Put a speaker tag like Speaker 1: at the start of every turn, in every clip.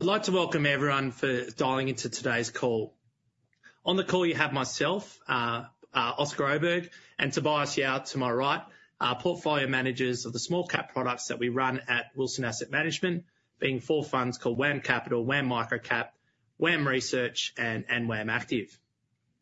Speaker 1: I'd like to welcome everyone for dialing into today's call. On the call you have myself, Oscar Oberg, and Tobias Yao to my right, portfolio managers of the small-cap products that we run at Wilson Asset Management, being four funds called WAM Capital, WAM Microcap, WAM Research, and WAM Active.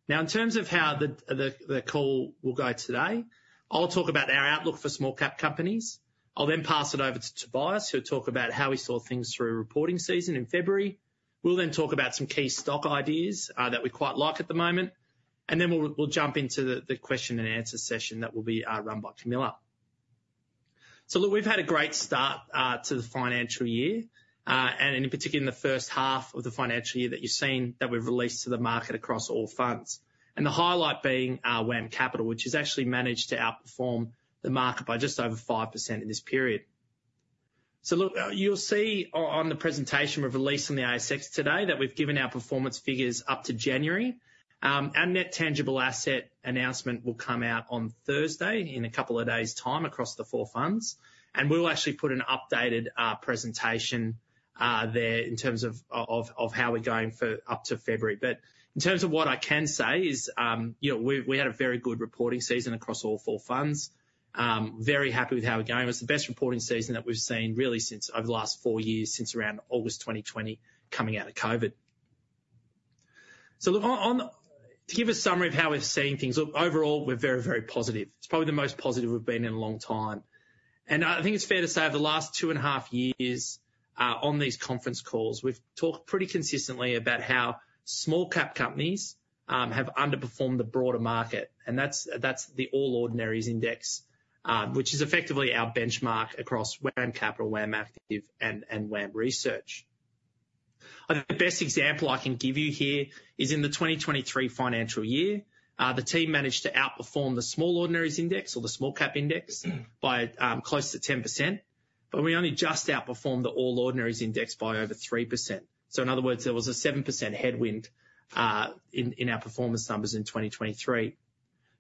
Speaker 1: Now, in terms of how the call will go today, I'll talk about our outlook for small-cap companies. I'll then pass it over to Tobias, who'll talk about how we saw things through reporting season in February. We'll then talk about some key stock ideas that we quite like at the moment. And then we'll jump into the question-and-answer session that will be run by Camilla. So look, we've had a great start to the financial year, and in particular in the first half of the financial year that you've seen that we've released to the market across all funds. And the highlight being WAM Capital, which has actually managed to outperform the market by just over 5% in this period. So look, you'll see on the presentation we've released on the ASX today that we've given our performance figures up to January. Our net tangible asset announcement will come out on Thursday in a couple of days time across the four funds. And we'll actually put an updated presentation there in terms of of how we're going for up to February. But in terms of what I can say is, you know, we've had a very good reporting season across all four funds. Very happy with how we're going. It was the best reporting season that we've seen really since over the last four years since around August 2020 coming out of COVID. So look, to give a summary of how we've seen things, look, overall we're very, very positive. It's probably the most positive we've been in a long time. And I think it's fair to say over the last two and a half years, on these conference calls we've talked pretty consistently about how small-cap companies have underperformed the broader market. And that's the All Ordinaries Index, which is effectively our benchmark across WAM Capital, WAM Active, and WAM Research. I think the best example I can give you here is in the 2023 financial year, the team managed to outperform the Small Ordinaries Index or the Small Cap Index by close to 10%. We only just outperformed the All Ordinaries Index by over 3%. In other words, there was a 7% headwind in our performance numbers in 2023.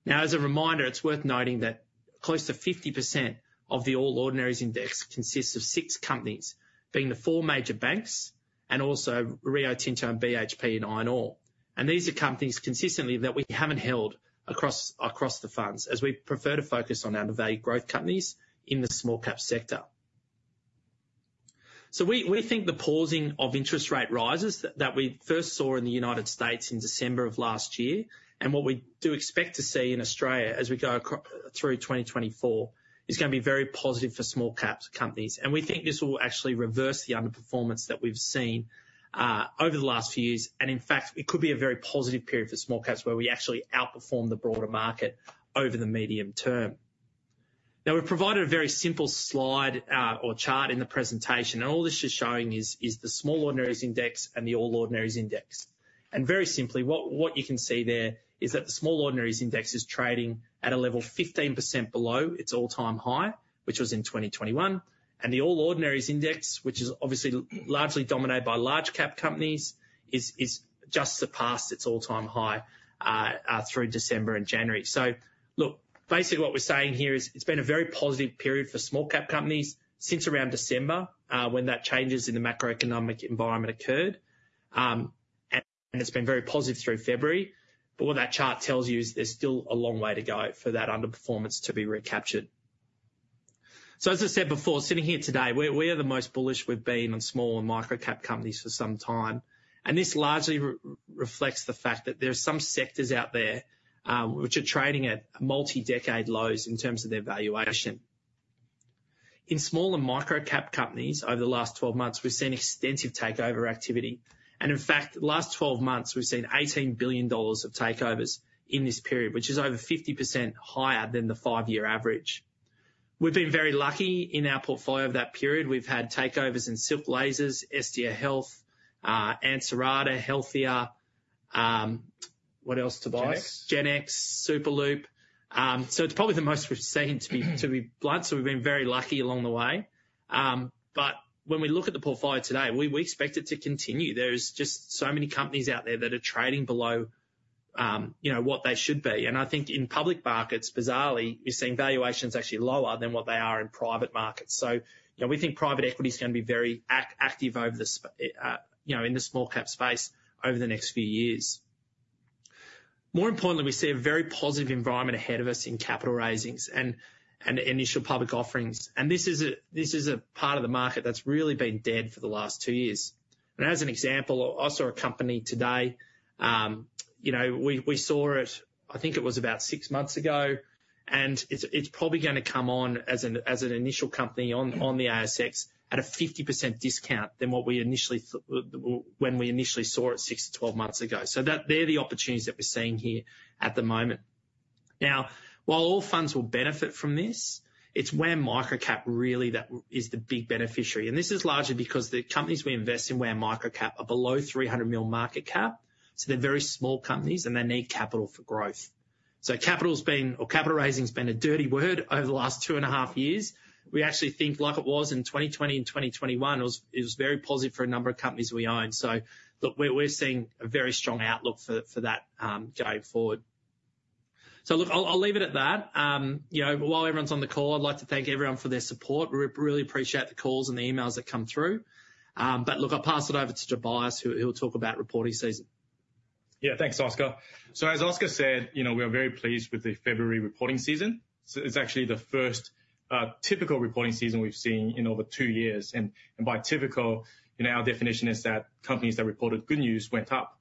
Speaker 1: Now, as a reminder, it's worth noting that close to 50% of the All Ordinaries Index consists of six companies being the four major banks and also Rio Tinto, and BHP, and CSL. And these are companies consistently that we haven't held across the funds as we prefer to focus on our undervalued growth companies in the small-cap sector. We think the pausing of interest rate rises that we first saw in the United States in December of last year and what we do expect to see in Australia as we go across through 2024 is going to be very positive for small-cap companies. We think this will actually reverse the underperformance that we've seen over the last few years. In fact, it could be a very positive period for small-caps where we actually outperform the broader market over the medium term. Now, we've provided a very simple slide, or chart in the presentation. All this is showing is the Small Ordinaries Index and the All Ordinaries Index. Very simply, what you can see there is that the Small Ordinaries Index is trading at a level 15% below its all-time high, which was in 2021. The All Ordinaries Index, which is obviously largely dominated by large-cap companies, is just surpassed its all-time high through December and January. Look, basically what we're saying here is it's been a very positive period for small-cap companies since around December, when that changes in the macroeconomic environment occurred. It's been very positive through February. But what that chart tells you is there's still a long way to go for that underperformance to be recaptured. So as I said before, sitting here today, we're, we are the most bullish we've been on small and Microcap companies for some time. And this largely reflects the fact that there are some sectors out there, which are trading at multi-decade lows in terms of their valuation. In Small and Microcap companies over the last 12 months, we've seen extensive takeover activity. And in fact, the last 12 months we've seen 18 billion dollars of takeovers in this period, which is over 50% higher than the five-year average. We've been very lucky in our portfolio of that period. We've had takeovers in Silk Lasers, Estia Health, Ansarada, Healthia. What else, Tobias?
Speaker 2: Genex.
Speaker 1: Genex, Superloop. So it's probably the most we've seen to be, to be blunt. So we've been very lucky along the way. But when we look at the portfolio today, we, we expect it to continue. There's just so many companies out there that are trading below, you know, what they should be. And I think in public markets, bizarrely, we're seeing valuations actually lower than what they are in private markets. So, you know, we think private equity's going to be very active over the space, you know, in the small-cap space over the next few years. More importantly, we see a very positive environment ahead of us in capital raisings and initial public offerings. And this is a part of the market that's really been dead for the last two years. And as an example, I saw a company today. You know, we saw it I think it was about six months ago. And it's probably going to come on as an initial company on the ASX at a 50% discount than what we initially thought when we initially saw it 6-12 months ago. So that they're the opportunities that we're seeing here at the moment. Now, while all funds will benefit from this, it's WAM Microcap really that is the big beneficiary. And this is largely because the companies we invest in WAM Microcap are below $300 million market cap. So they're very small companies and they need capital for growth. So capital's been or capital raising's been a dirty word over the last 2.5 years. We actually think like it was in 2020 and 2021, it was very positive for a number of companies we own. So look, we're seeing a very strong outlook for that, going forward. So look, I'll leave it at that. You know, while everyone's on the call, I'd like to thank everyone for their support. We really appreciate the calls and the emails that come through. But look, I'll pass it over to Tobias, who'll talk about reporting season.
Speaker 2: Yeah. Thanks, Oscar. So as Oscar said, you know, we are very pleased with the February reporting season. So it's actually the first typical reporting season we've seen in over two years. And by typical, you know, our definition is that companies that reported good news went up.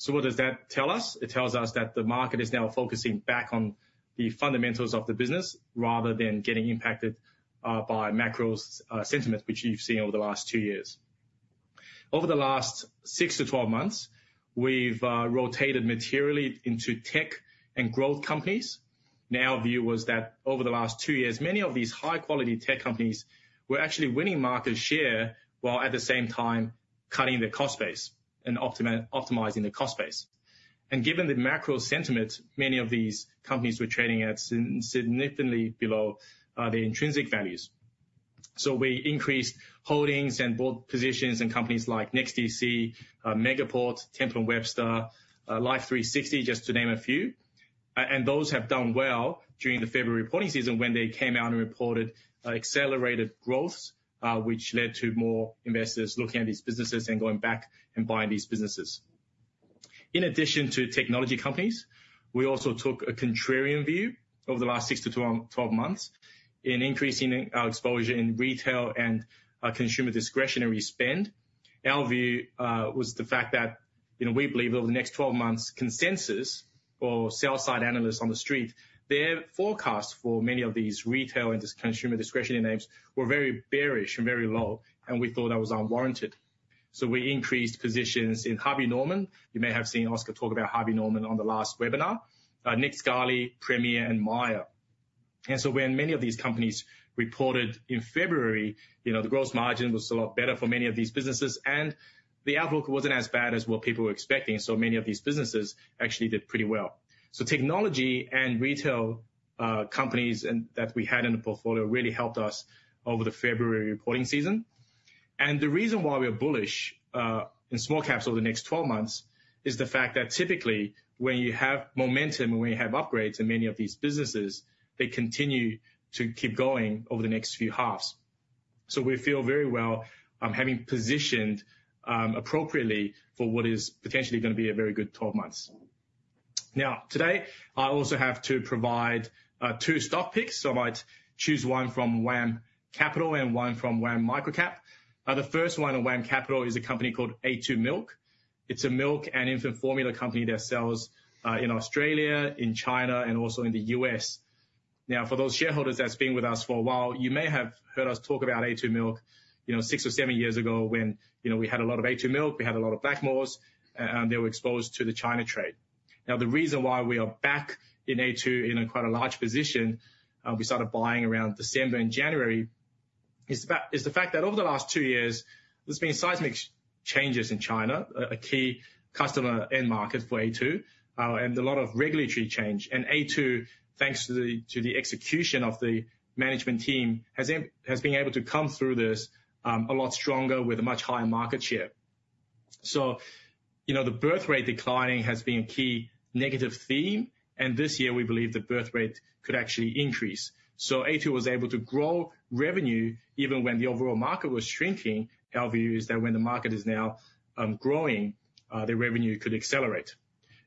Speaker 2: So what does that tell us? It tells us that the market is now focusing back on the fundamentals of the business rather than getting impacted by macro sentiment, which you've seen over the last two years. Over the last 6-12 months, we've rotated materially into tech and growth companies. Now, our view was that over the last 2 years, many of these high-quality tech companies were actually winning market share while at the same time cutting their cost base and optimizing the cost base. Given the macro sentiment, many of these companies were trading at significantly below their intrinsic values. So we increased holdings and bought positions in companies like Nextdc, Megaport, Temple & Webster, Life360, just to name a few. And those have done well during the February reporting season when they came out and reported accelerated growth, which led to more investors looking at these businesses and going back and buying these businesses. In addition to technology companies, we also took a contrarian view over the last 6-12 months in increasing our exposure in retail and consumer discretionary spend. Our view was the fact that, you know, we believe over the next 12 months consensus or sell-side analysts on the street, their forecasts for many of these retail and consumer discretionary names were very bearish and very low. And we thought that was unwarranted. So we increased positions in Harvey Norman. You may have seen Oscar talk about Harvey Norman on the last webinar. Nick Scali, Premier and Myer. And so when many of these companies reported in February, you know, the gross margin was a lot better for many of these businesses. And the outlook wasn't as bad as what people were expecting. So many of these businesses actually did pretty well. So technology and retail, companies that we had in the portfolio really helped us over the February reporting season. And the reason why we are bullish in small-caps over the next 12 months is the fact that typically when you have momentum and when you have upgrades in many of these businesses, they continue to keep going over the next few halves. So we feel very well, having positioned appropriately for what is potentially going to be a very good 12 months. Now, today I also have to provide two stock picks. So I might choose one from WAM Capital and one from WAM Microcap. The first one in WAM Capital is a company called a2 Milk. It's a milk and infant formula company that sells in Australia, in China, and also in the U.S. Now, for those shareholders that's been with us for a while, you may have heard us talk about a2 Milk, you know, six or seven years ago when, you know, we had a lot of a2 Milk. We had a lot of Blackmores. And they were exposed to the China trade. Now, the reason why we are back in a2 in quite a large position, we started buying around December and January, is the fact that over the last two years there's been seismic changes in China, a key customer end market for a2, and a lot of regulatory change. And a2, thanks to the execution of the management team, has been able to come through this, a lot stronger with a much higher market share. So, you know, the birth rate declining has been a key negative theme. And this year we believe the birth rate could actually increase. So a2 was able to grow revenue even when the overall market was shrinking. Our view is that when the market is now growing, the revenue could accelerate.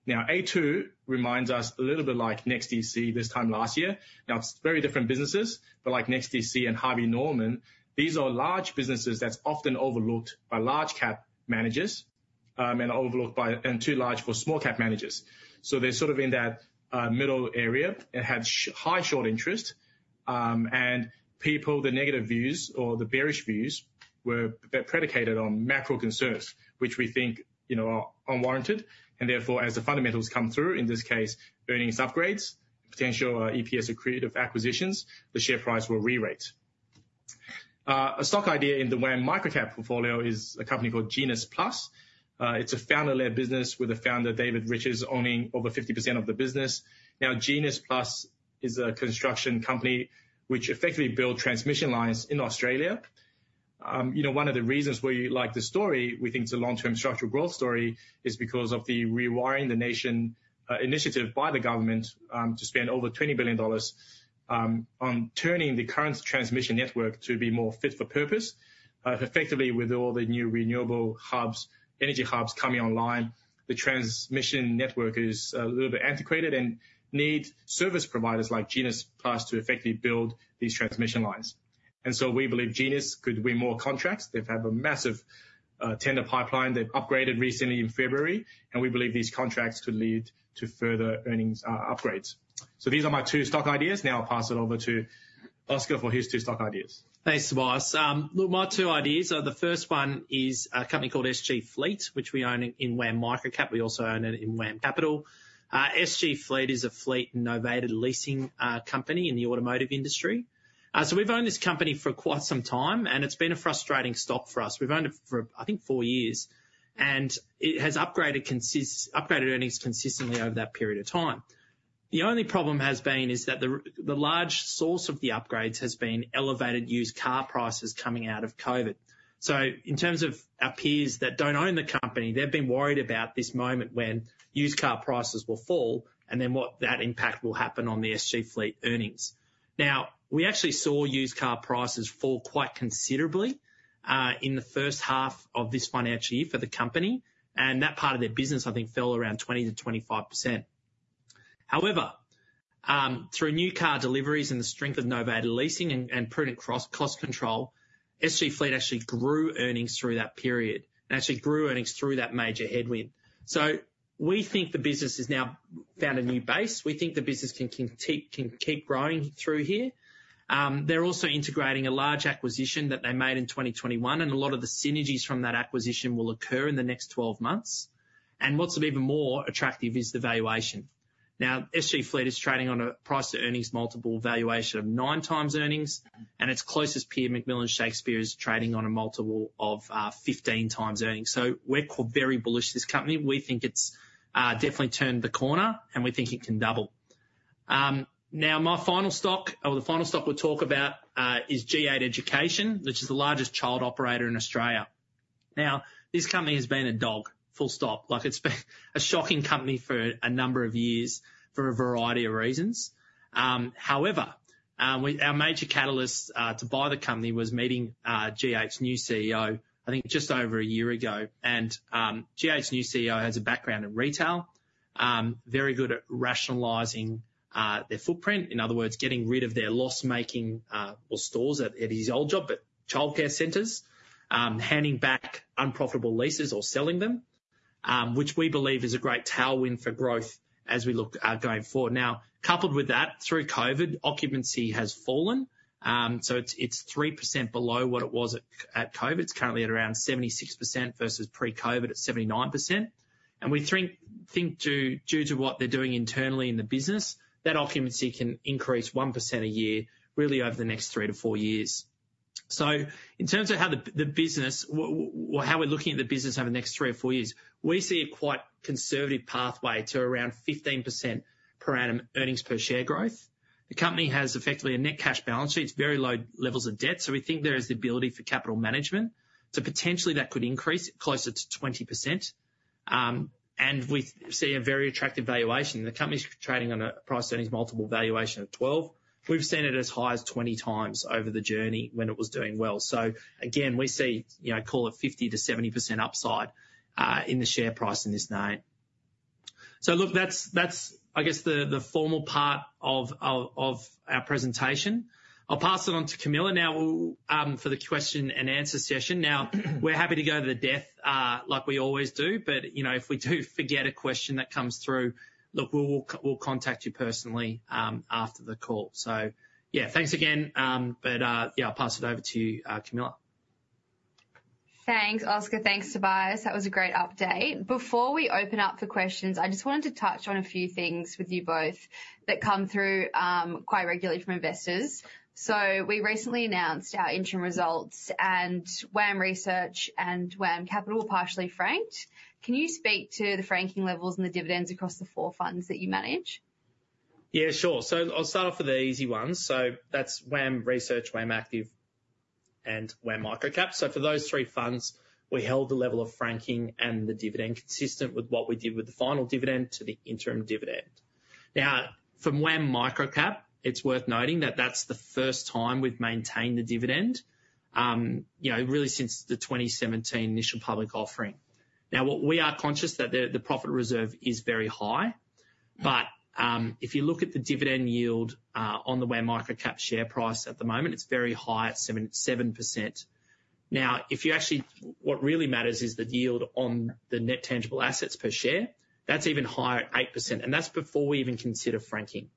Speaker 2: Now, a2 reminds us a little bit like Nextdc this time last year. Now, it's very different businesses. But like Nextdc and Harvey Norman, these are large businesses that's often overlooked by large-cap managers, and overlooked by and too large for small-cap managers. So they're sort of in that middle area. It had high short interest, and people, the negative views or the bearish views were predicated on macro concerns, which we think, you know, are unwarranted. And therefore, as the fundamentals come through, in this case, earnings upgrades, potential EPS or creative acquisitions, the share price will re-rate. A stock idea in the WAM Microcap portfolio is a company called GenusPlus. It's a founder-led business with the founder David Richards owning over 50% of the business. Now, GenusPlus is a construction company which effectively builds transmission lines in Australia. You know, one of the reasons why we like the story, we think it's a long-term structural growth story, is because of the Rewiring the Nation initiative by the government, to spend over 20 billion dollars on turning the current transmission network to be more fit for purpose. Effectively with all the new renewable hubs, energy hubs coming online, the transmission network is a little bit antiquated and needs service providers like GenusPlus to effectively build these transmission lines. And so we believe Genus could win more contracts. They've had a massive tender pipeline. They've upgraded recently in February. And we believe these contracts could lead to further earnings upgrades. So these are my two stock ideas. Now I'll pass it over to Oscar for his two stock ideas.
Speaker 1: Thanks, Tobias. Look, my two ideas are the first one is a company called SG Fleet, which we own in WAM Microcap. We also own it in WAM Capital. SG Fleet is a fleet and novated leasing company in the automotive industry. So we've owned this company for quite some time. It's been a frustrating stock for us. We've owned it for, I think, four years. It has upgraded earnings consistently over that period of time. The only problem has been is that the large source of the upgrades has been elevated used car prices coming out of COVID. So in terms of our peers that don't own the company, they've been worried about this moment when used car prices will fall and then what that impact will happen on the SG Fleet earnings. Now, we actually saw used car prices fall quite considerably, in the first half of this financial year for the company. And that part of their business, I think, fell around 20%-25%. However, through new car deliveries and the strength of novated leasing and prudent cost control, SG Fleet actually grew earnings through that period and actually grew earnings through that major headwind. So we think the business has now found a new base. We think the business can keep growing through here. They're also integrating a large acquisition that they made in 2021. And a lot of the synergies from that acquisition will occur in the next 12 months. And what's even more attractive is the valuation. Now, SG Fleet is trading on a price-to-earnings multiple valuation of 9x earnings. And its closest peer, McMillan Shakespeare, is trading on a multiple of 15x earnings. So we're very bullish this company. We think it's definitely turned the corner. And we think it can double. Now my final stock or the final stock we'll talk about is G8 Education, which is the largest childcare operator in Australia. Now, this company has been a dog, full stop. Like, it's been a shocking company for a number of years for a variety of reasons. However, our major catalyst to buy the company was meeting G8's new CEO, I think, just over a year ago. And, G8's new CEO has a background in retail, very good at rationalizing their footprint. In other words, getting rid of their loss-making, well, stores at his old job, but childcare centers, handing back unprofitable leases or selling them, which we believe is a great tailwind for growth as we look going forward. Now, coupled with that, through COVID, occupancy has fallen. So it's 3% below what it was at COVID. It's currently at around 76% versus pre-COVID at 79%. And we think, think due to what they're doing internally in the business, that occupancy can increase 1% a year really over the next three to four years. So in terms of how the business or how we're looking at the business over the next three or four years, we see a quite conservative pathway to around 15% per annum earnings per share growth. The company has effectively a net cash balance sheet. It's very low levels of debt. So we think there is the ability for capital management. So potentially that could increase closer to 20%. And we see a very attractive valuation. The company's trading on a price-to-earnings multiple valuation of 12. We've seen it as high as 20x over the journey when it was doing well. So again, we see, you know, call it 50%-70% upside in the share price in this name. So look, that's, I guess, the formal part of our presentation. I'll pass it on to Camilla now for the question and answer session. Now, we're happy to go to the depth like we always do. But, you know, if we do forget a question that comes through, look, we'll contact you personally after the call. So yeah, thanks again. But, yeah, I'll pass it over to you, Camilla.
Speaker 3: Thanks, Oscar. Thanks, Tobias. That was a great update. Before we open up for questions, I just wanted to touch on a few things with you both that come through, quite regularly from investors. So we recently announced our interim results. WAM Research and WAM Capital were partially franked. Can you speak to the franking levels and the dividends across the four funds that you manage?
Speaker 1: Yeah, sure. So I'll start off with the easy ones. So that's WAM Research, WAM Active, and WAM Microcap. So for those three funds, we held the level of franking and the dividend consistent with what we did with the final dividend to the interim dividend. Now, from WAM Microcap, it's worth noting that that's the first time we've maintained the dividend, you know, really since the 2017 initial public offering. Now, we are conscious that the profit reserve is very high. But, if you look at the dividend yield, on the WAM Microcap share price at the moment, it's very high at 7%. Now, actually, what really matters is the yield on the net tangible assets per share, that's even higher at 8%. And that's before we even consider franking.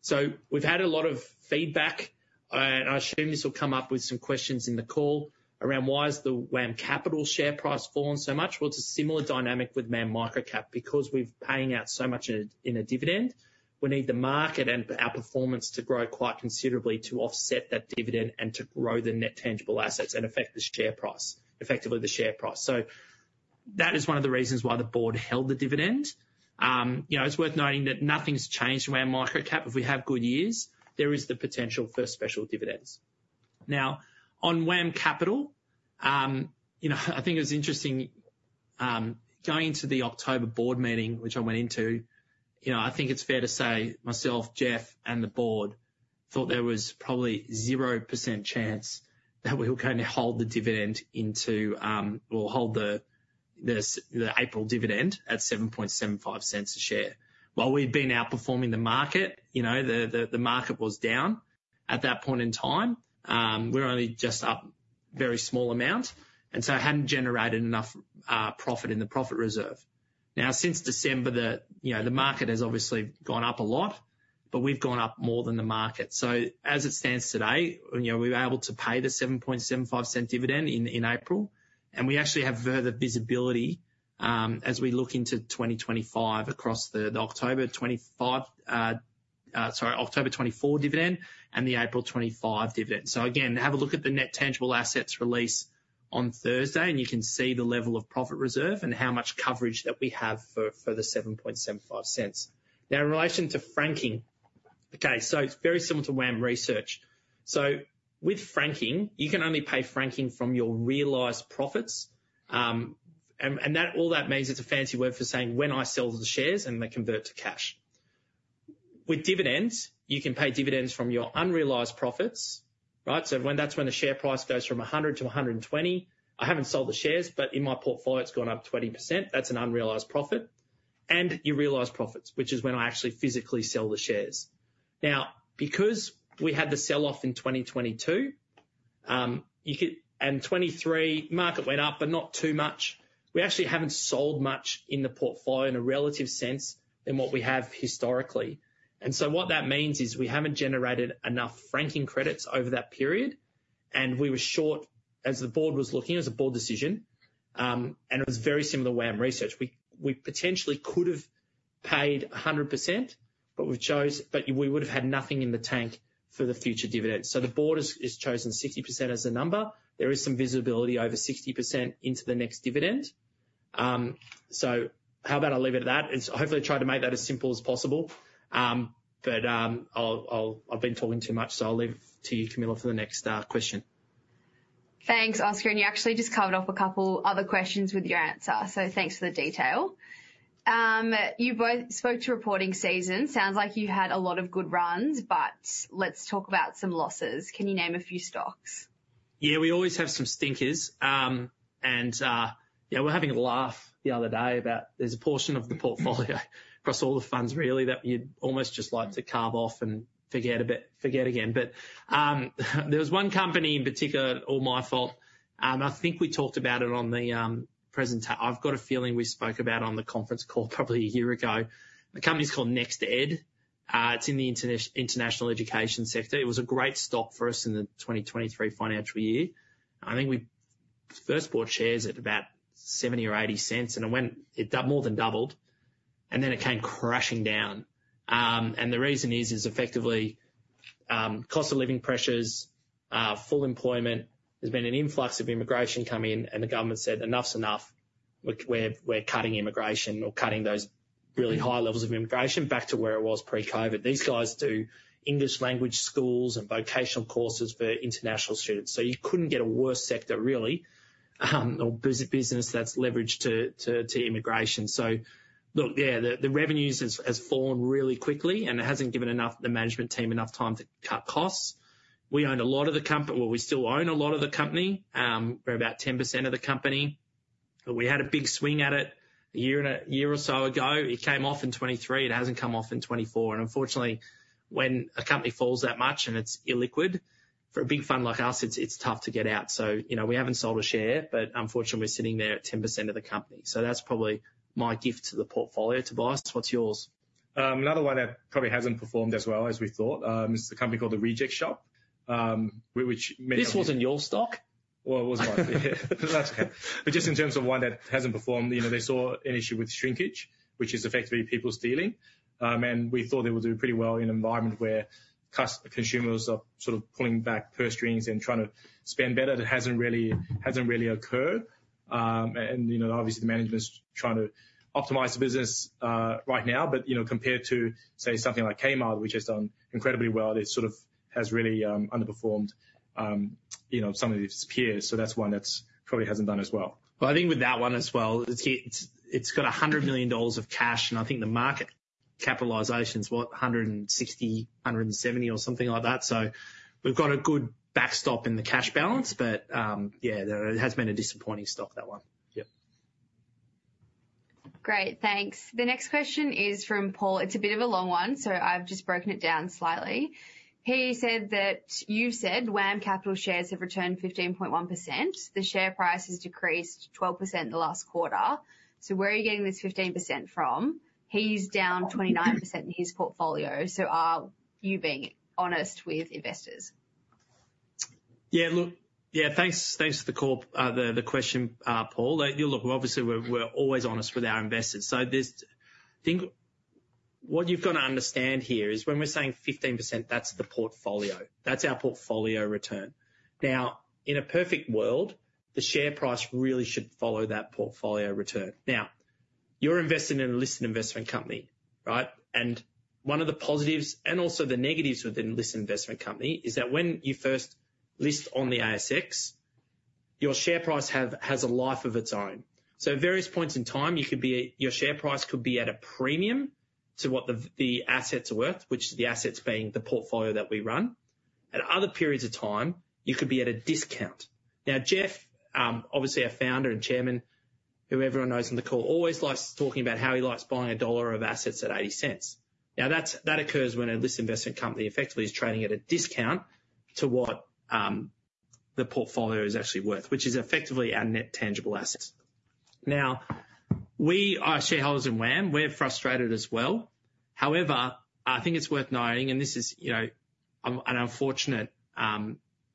Speaker 1: So we've had a lot of feedback. I assume this will come up with some questions in the call around why has the WAM Capital share price fallen so much? Well, it's a similar dynamic with WAM Microcap. Because we're paying out so much in a dividend, we need the market and our performance to grow quite considerably to offset that dividend and to grow the net tangible assets and affect the share price, effectively the share price. That is one of the reasons why the board held the dividend. You know, it's worth noting that nothing's changed in WAM Microcap. If we have good years, there is the potential for special dividends. Now, on WAM Capital, you know, I think it was interesting, going into the October board meeting, which I went into, you know, I think it's fair to say myself, Geoff, and the board thought there was probably 0% chance that we were going to hold the dividend into, or hold the April dividend at 0.0775 a share. While we'd been outperforming the market, you know, the market was down at that point in time. We're only just up a very small amount. And so it hadn't generated enough profit in the profit reserve. Now, since December, the, you know, the market has obviously gone up a lot. But we've gone up more than the market. So as it stands today, you know, we were able to pay the 0.0775 dividend in April. We actually have further visibility, as we look into 2025 across the October 2024, sorry, October 2024 dividend and the April 2025 dividend. So again, have a look at the net tangible assets release on Thursday. And you can see the level of profit reserve and how much coverage that we have for the 0.0775. Now, in relation to franking, okay, so it's very similar to WAM Research. So with franking, you can only pay franking from your realized profits. And that all that means it's a fancy word for saying when I sell the shares and they convert to cash. With dividends, you can pay dividends from your unrealized profits, right? So when that's when the share price goes from 100 to 120, I haven't sold the shares. But in my portfolio, it's gone up 20%. That's an unrealized profit. Your realized profits, which is when I actually physically sell the shares. Now, because we had the sell-off in 2022, you know, and 2023, market went up but not too much. We actually haven't sold much in the portfolio in a relative sense than what we have historically. And so what that means is we haven't generated enough franking credits over that period. And we were short as the board was looking. It was a board decision, and it was very similar to WAM Research. We potentially could have paid 100%. But we've chosen but we would have had nothing in the tank for the future dividends. So the board has chosen 60% as a number. There is some visibility over 60% into the next dividend. So how about I leave it at that? And hopefully I tried to make that as simple as possible. But, I'll, I've been talking too much. So I'll leave to you, Camilla, for the next question.
Speaker 3: Thanks, Oscar. And you actually just covered off a couple other questions with your answer. So thanks for the detail. You both spoke to reporting season. Sounds like you had a lot of good runs. But let's talk about some losses. Can you name a few stocks?
Speaker 1: Yeah, we always have some stinkers. And, yeah, we're having a laugh the other day about there's a portion of the portfolio across all the funds really that you'd almost just like to carve off and forget a bit forget again. But, there was one company in particular, all my fault. I think we talked about it on the, present I've got a feeling we spoke about on the conference call probably a year ago. The company's called NextEd. It's in the international education sector. It was a great stock for us in the 2023 financial year. I think we first bought shares at about 0.70 or 0.80. And it went it more than doubled. And then it came crashing down. And the reason is effectively cost of living pressures, full employment. There's been an influx of immigration coming in. And the government said, "Enough's enough. We're cutting immigration or cutting those really high levels of immigration back to where it was pre-COVID." These guys do English language schools and vocational courses for international students. So you couldn't get a worse sector really, or business that's leveraged to immigration. So look, yeah, the revenues have fallen really quickly. And it hasn't given the management team enough time to cut costs. We owned a lot of the company, well, we still own a lot of the company. We're about 10% of the company. But we had a big swing at it a year and a year or so ago. It came off in 2023. It hasn't come off in 2024. And unfortunately, when a company falls that much and it's illiquid for a big fund like us, it's tough to get out. So, you know, we haven't sold a share. But unfortunately, we're sitting there at 10% of the company. So that's probably my gift to the portfolio, Tobias. What's yours?
Speaker 2: Another one that probably hasn't performed as well as we thought is the company called The Reject Shop, which.
Speaker 1: This wasn't your stock?
Speaker 2: Well, it was mine. Yeah, that's okay. But just in terms of one that hasn't performed, you know, they saw an issue with shrinkage, which is effectively people stealing, and we thought they would do pretty well in an environment where consumers are sort of pulling back purse strings and trying to spend better. It hasn't really occurred. You know, obviously the management's trying to optimize the business right now. But, you know, compared to, say, something like Kmart, which has done incredibly well, it sort of has really underperformed, you know, some of its peers. So that's one that probably hasn't done as well.
Speaker 1: Well, I think with that one as well, it's got 100 million dollars of cash. And I think the market capitalization's what, 160 million, 170 million or something like that. So we've got a good backstop in the cash balance. But, yeah, it has been a disappointing stock, that one.
Speaker 2: Yep.
Speaker 3: Great. Thanks. The next question is from Paul. It's a bit of a long one. So I've just broken it down slightly. He said that you've said WAM Capital shares have returned 15.1%. The share price has decreased 12% in the last quarter. So where are you getting this 15% from? He's down 29% in his portfolio. So are you being honest with investors?
Speaker 1: Yeah, look, yeah, thanks, thanks for the question, Paul. Look, obviously we're always honest with our investors. So there's I think what you've got to understand here is when we're saying 15%, that's the portfolio. That's our portfolio return. Now, in a perfect world, the share price really should follow that portfolio return. Now, you're investing in a listed investment company, right? And one of the positives and also the negatives within a listed investment company is that when you first list on the ASX, your share price has a life of its own. So at various points in time, you could be at your share price could be at a premium to what the assets are worth, which is the assets being the portfolio that we run. At other periods of time, you could be at a discount. Now, Geoff, obviously our founder and chairman, who everyone knows on the call, always likes talking about how he likes buying a dollar of assets at 0.80. Now, that occurs when a listed investment company effectively is trading at a discount to what the portfolio is actually worth, which is effectively our net tangible assets. Now, we are shareholders in WAM. We're frustrated as well. However, I think it's worth noting and this is, you know, an unfortunate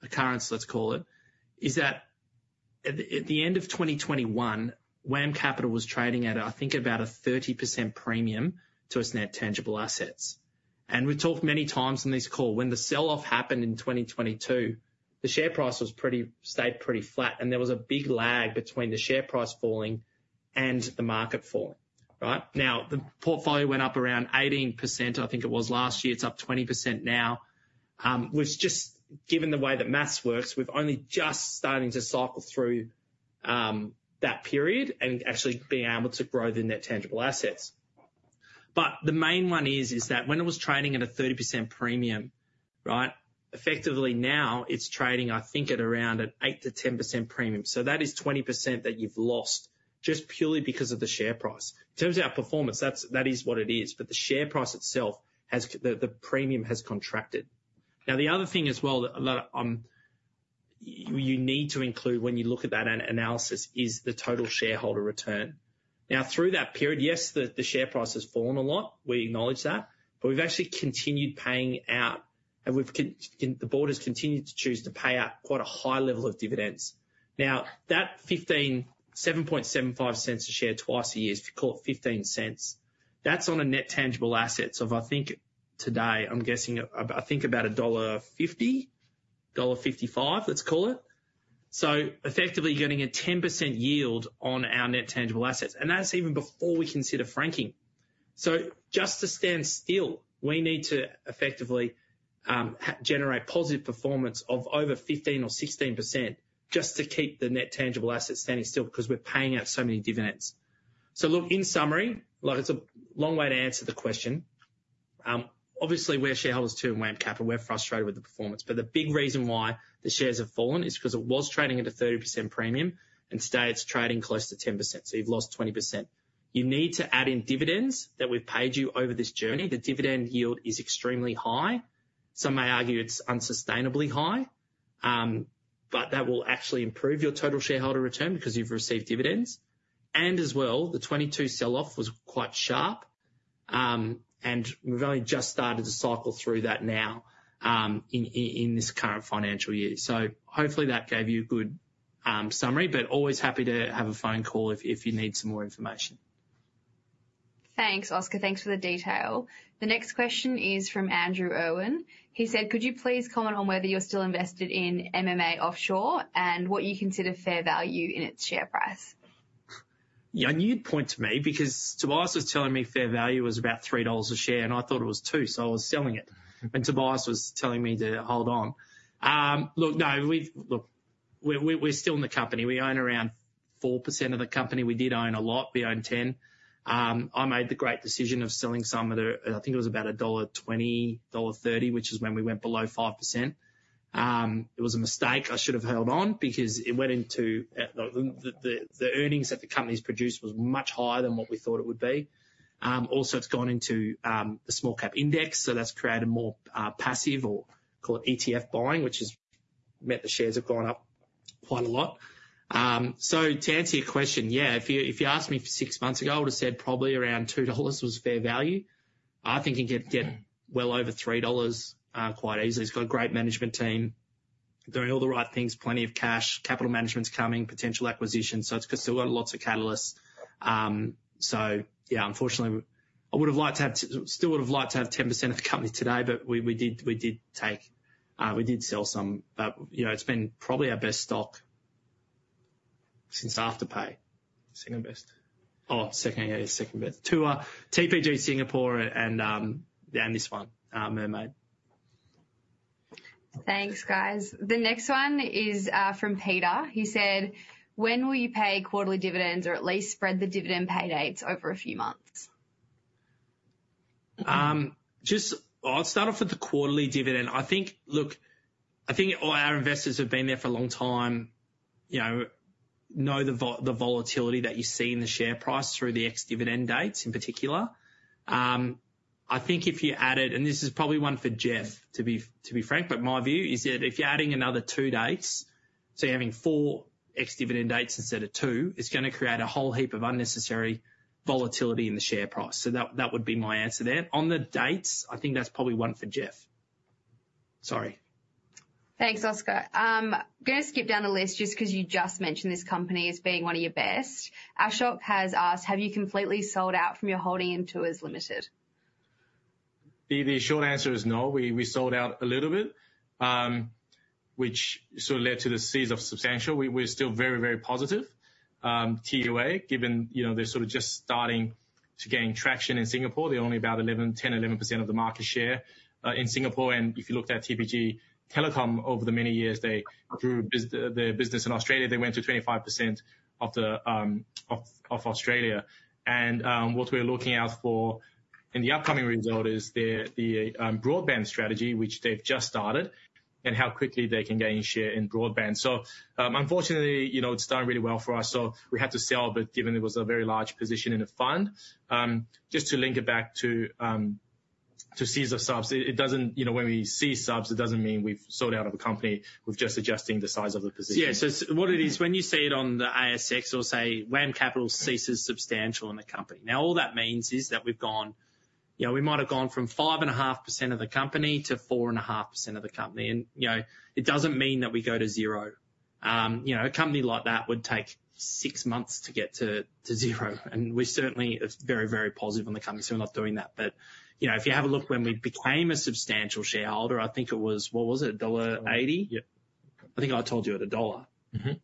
Speaker 1: occurrence, let's call it, is that at the end of 2021, WAM Capital was trading at, I think, about a 30% premium to its net tangible assets. And we've talked many times on this call. When the sell-off happened in 2022, the share price was pretty stayed pretty flat. And there was a big lag between the share price falling and the market falling, right? Now, the portfolio went up around 18%, I think it was last year. It's up 20% now. We've just given the way that maths works, we've only just starting to cycle through that period and actually being able to grow the net tangible assets. But the main one is, is that when it was trading at a 30% premium, right, effectively now it's trading, I think, at around an 8%-10% premium. So that is 20% that you've lost just purely because of the share price. In terms of our performance, that is what it is. But the share price itself has the premium has contracted. Now, the other thing as well that a lot of you need to include when you look at that analysis is the total shareholder return. Now, through that period, yes, the share price has fallen a lot. We acknowledge that. But we've actually continued paying out. And the board has continued to choose to pay out quite a high level of dividends. Now, that 0.15, AUD 0.0775 a share twice a year, if you call it 0.15, that's on a net tangible assets of, I think today, I'm guessing I think about 1.50 dollar, 1.55 dollar, let's call it. So effectively you're getting a 10% yield on our net tangible assets. And that's even before we consider franking. So just to stand still, we need to effectively generate positive performance of over 15%-16% just to keep the net tangible assets standing still because we're paying out so many dividends. So look, in summary, look, it's a long way to answer the question. Obviously, we're shareholders too in WAM Capital. We're frustrated with the performance. But the big reason why the shares have fallen is because it was trading at a 30% premium. And today it's trading close to 10%. So you've lost 20%. You need to add in dividends that we've paid you over this journey. The dividend yield is extremely high. Some may argue it's unsustainably high. But that will actually improve your total shareholder return because you've received dividends. And as well, the 2022 sell-off was quite sharp. And we've only just started to cycle through that now in this current financial year. So hopefully that gave you a good summary. But always happy to have a phone call if you need some more information.
Speaker 3: Thanks, Oscar. Thanks for the detail. The next question is from Andrew Owen. He said, "Could you please comment on whether you're still invested in MMA Offshore and what you consider fair value in its share price?
Speaker 1: Yeah, and you'd point to me because Tobias was telling me fair value was about 3 dollars a share. And I thought it was 2. So I was selling it. And Tobias was telling me to hold on. Look, no, we're still in the company. We own around 4% of the company. We did own a lot. We owned 10%. I made the great decision of selling some of it. I think it was about 1.20 dollar, 1.30 dollar, which is when we went below 5%. It was a mistake. I should have held on because it went into the earnings that the company's produced was much higher than what we thought it would be. Also, it's gone into the small cap index. So that's created more passive or call it ETF buying, which has meant the shares have gone up quite a lot. To answer your question, yeah, if you asked me six months ago, I would have said probably around 2 dollars was fair value. I think you can get well over 3 dollars quite easily. It's got a great management team. They're doing all the right things. Plenty of cash. Capital management's coming. Potential acquisitions. So it's still got lots of catalysts. So yeah, unfortunately, I would have liked to have 10% of the company today. But we did sell some. But, you know, it's been probably our best stock since Afterpay.
Speaker 2: Second best.
Speaker 1: Oh, second. Yeah, yeah, second best. Two are TPG Singapore and this one, Mermaid.
Speaker 3: Thanks, guys. The next one is from Peter. He said, "When will you pay quarterly dividends or at least spread the dividend pay dates over a few months?
Speaker 1: Just, I'll start off with the quarterly dividend. I think, look, I think all our investors have been there for a long time, you know, know the volatility that you see in the share price through the ex-dividend dates in particular. I think if you added, and this is probably one for Geoff, to be frank. But my view is that if you're adding another two dates so you're having four ex-dividend dates instead of two, it's going to create a whole heap of unnecessary volatility in the share price. So that would be my answer there. On the dates, I think that's probably one for Geoff. Sorry.
Speaker 3: Thanks, Oscar. I'm going to skip down the list just because you just mentioned this company as being one of your best. Ashok has asked, "Have you completely sold out from your holding in Tuas Ltd?
Speaker 2: The short answer is no. We sold out a little bit, which sort of led to the ceasing to be substantial. We're still very, very positive. Tuas, given, you know, they're sort of just starting to gain traction in Singapore. They're only about 10%-11% of the market share in Singapore. And if you looked at TPG Telecom over the many years, they grew their business in Australia. They went to 25% of Australia. And what we're looking out for in the upcoming result is the broadband strategy, which they've just started, and how quickly they can gain share in broadband. So unfortunately, you know, it's done really well for us. So we had to sell a bit given it was a very large position in a fund. Just to link it back to size of subs, it doesn't, you know, when we size subs, it doesn't mean we've sold out of a company. We're just adjusting the size of the position.
Speaker 1: Yeah, so what it is when you say it on the ASX or say WAM Capital ceases substantial in the company. Now, all that means is that we've gone you know, we might have gone from 5.5% of the company to 4.5% of the company. And, you know, it doesn't mean that we go to zero. You know, a company like that would take six months to get to zero. And we're certainly very, very positive on the company. So we're not doing that. But, you know, if you have a look when we became a substantial shareholder, I think it was what was it? Dollar 1.80?
Speaker 2: Yep.
Speaker 1: I think I told you at AUD 1.
Speaker 2: Yeah. Told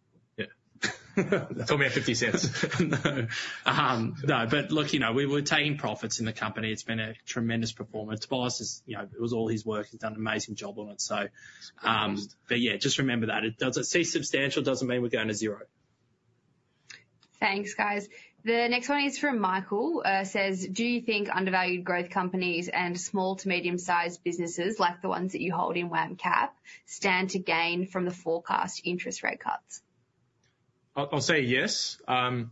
Speaker 2: me at 0.50.
Speaker 1: No. No, but look, you know, we were taking profits in the company. It's been a tremendous performance. Tobias is, you know, it was all his work. He's done an amazing job on it. So but yeah, just remember that. It does. It's substantial, doesn't mean we're going to zero.
Speaker 3: Thanks, guys. The next one is from Michael. He says, "Do you think undervalued growth companies and small to medium-sized businesses like the ones that you hold in WAM Cap stand to gain from the forecast interest rate cuts?
Speaker 2: I'll say yes. And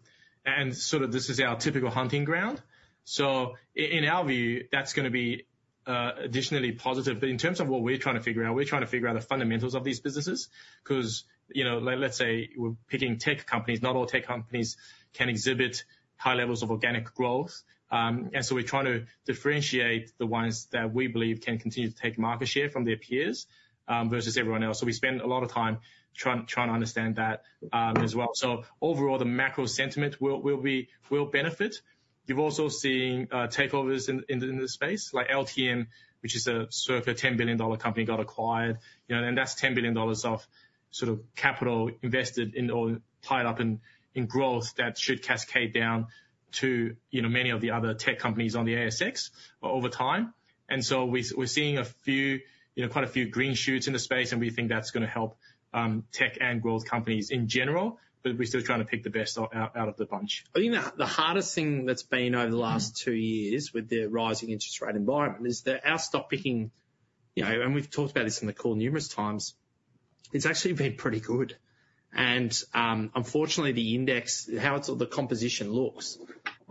Speaker 2: sort of this is our typical hunting ground. So in our view, that's going to be additionally positive. But in terms of what we're trying to figure out, we're trying to figure out the fundamentals of these businesses because, you know, let's say we're picking tech companies. Not all tech companies can exhibit high levels of organic growth. And so we're trying to differentiate the ones that we believe can continue to take market share from their peers versus everyone else. So we spend a lot of time trying to understand that as well. So overall, the macro sentiment will benefit. You've also seen takeovers in this space, like Altium, which is a circa 10 billion dollar company got acquired. You know, and that's 10 billion dollars of sort of capital invested in or tied up in growth that should cascade down to, you know, many of the other tech companies on the ASX over time. And so we're seeing a few, you know, quite a few green shoots in the space. And we think that's going to help tech and growth companies in general. But we're still trying to pick the best out of the bunch.
Speaker 1: I think the hardest thing that's been over the last two years with the rising interest rate environment is that our stock picking you know, and we've talked about this in the call numerous times, it's actually been pretty good. And unfortunately, the index, how the composition looks,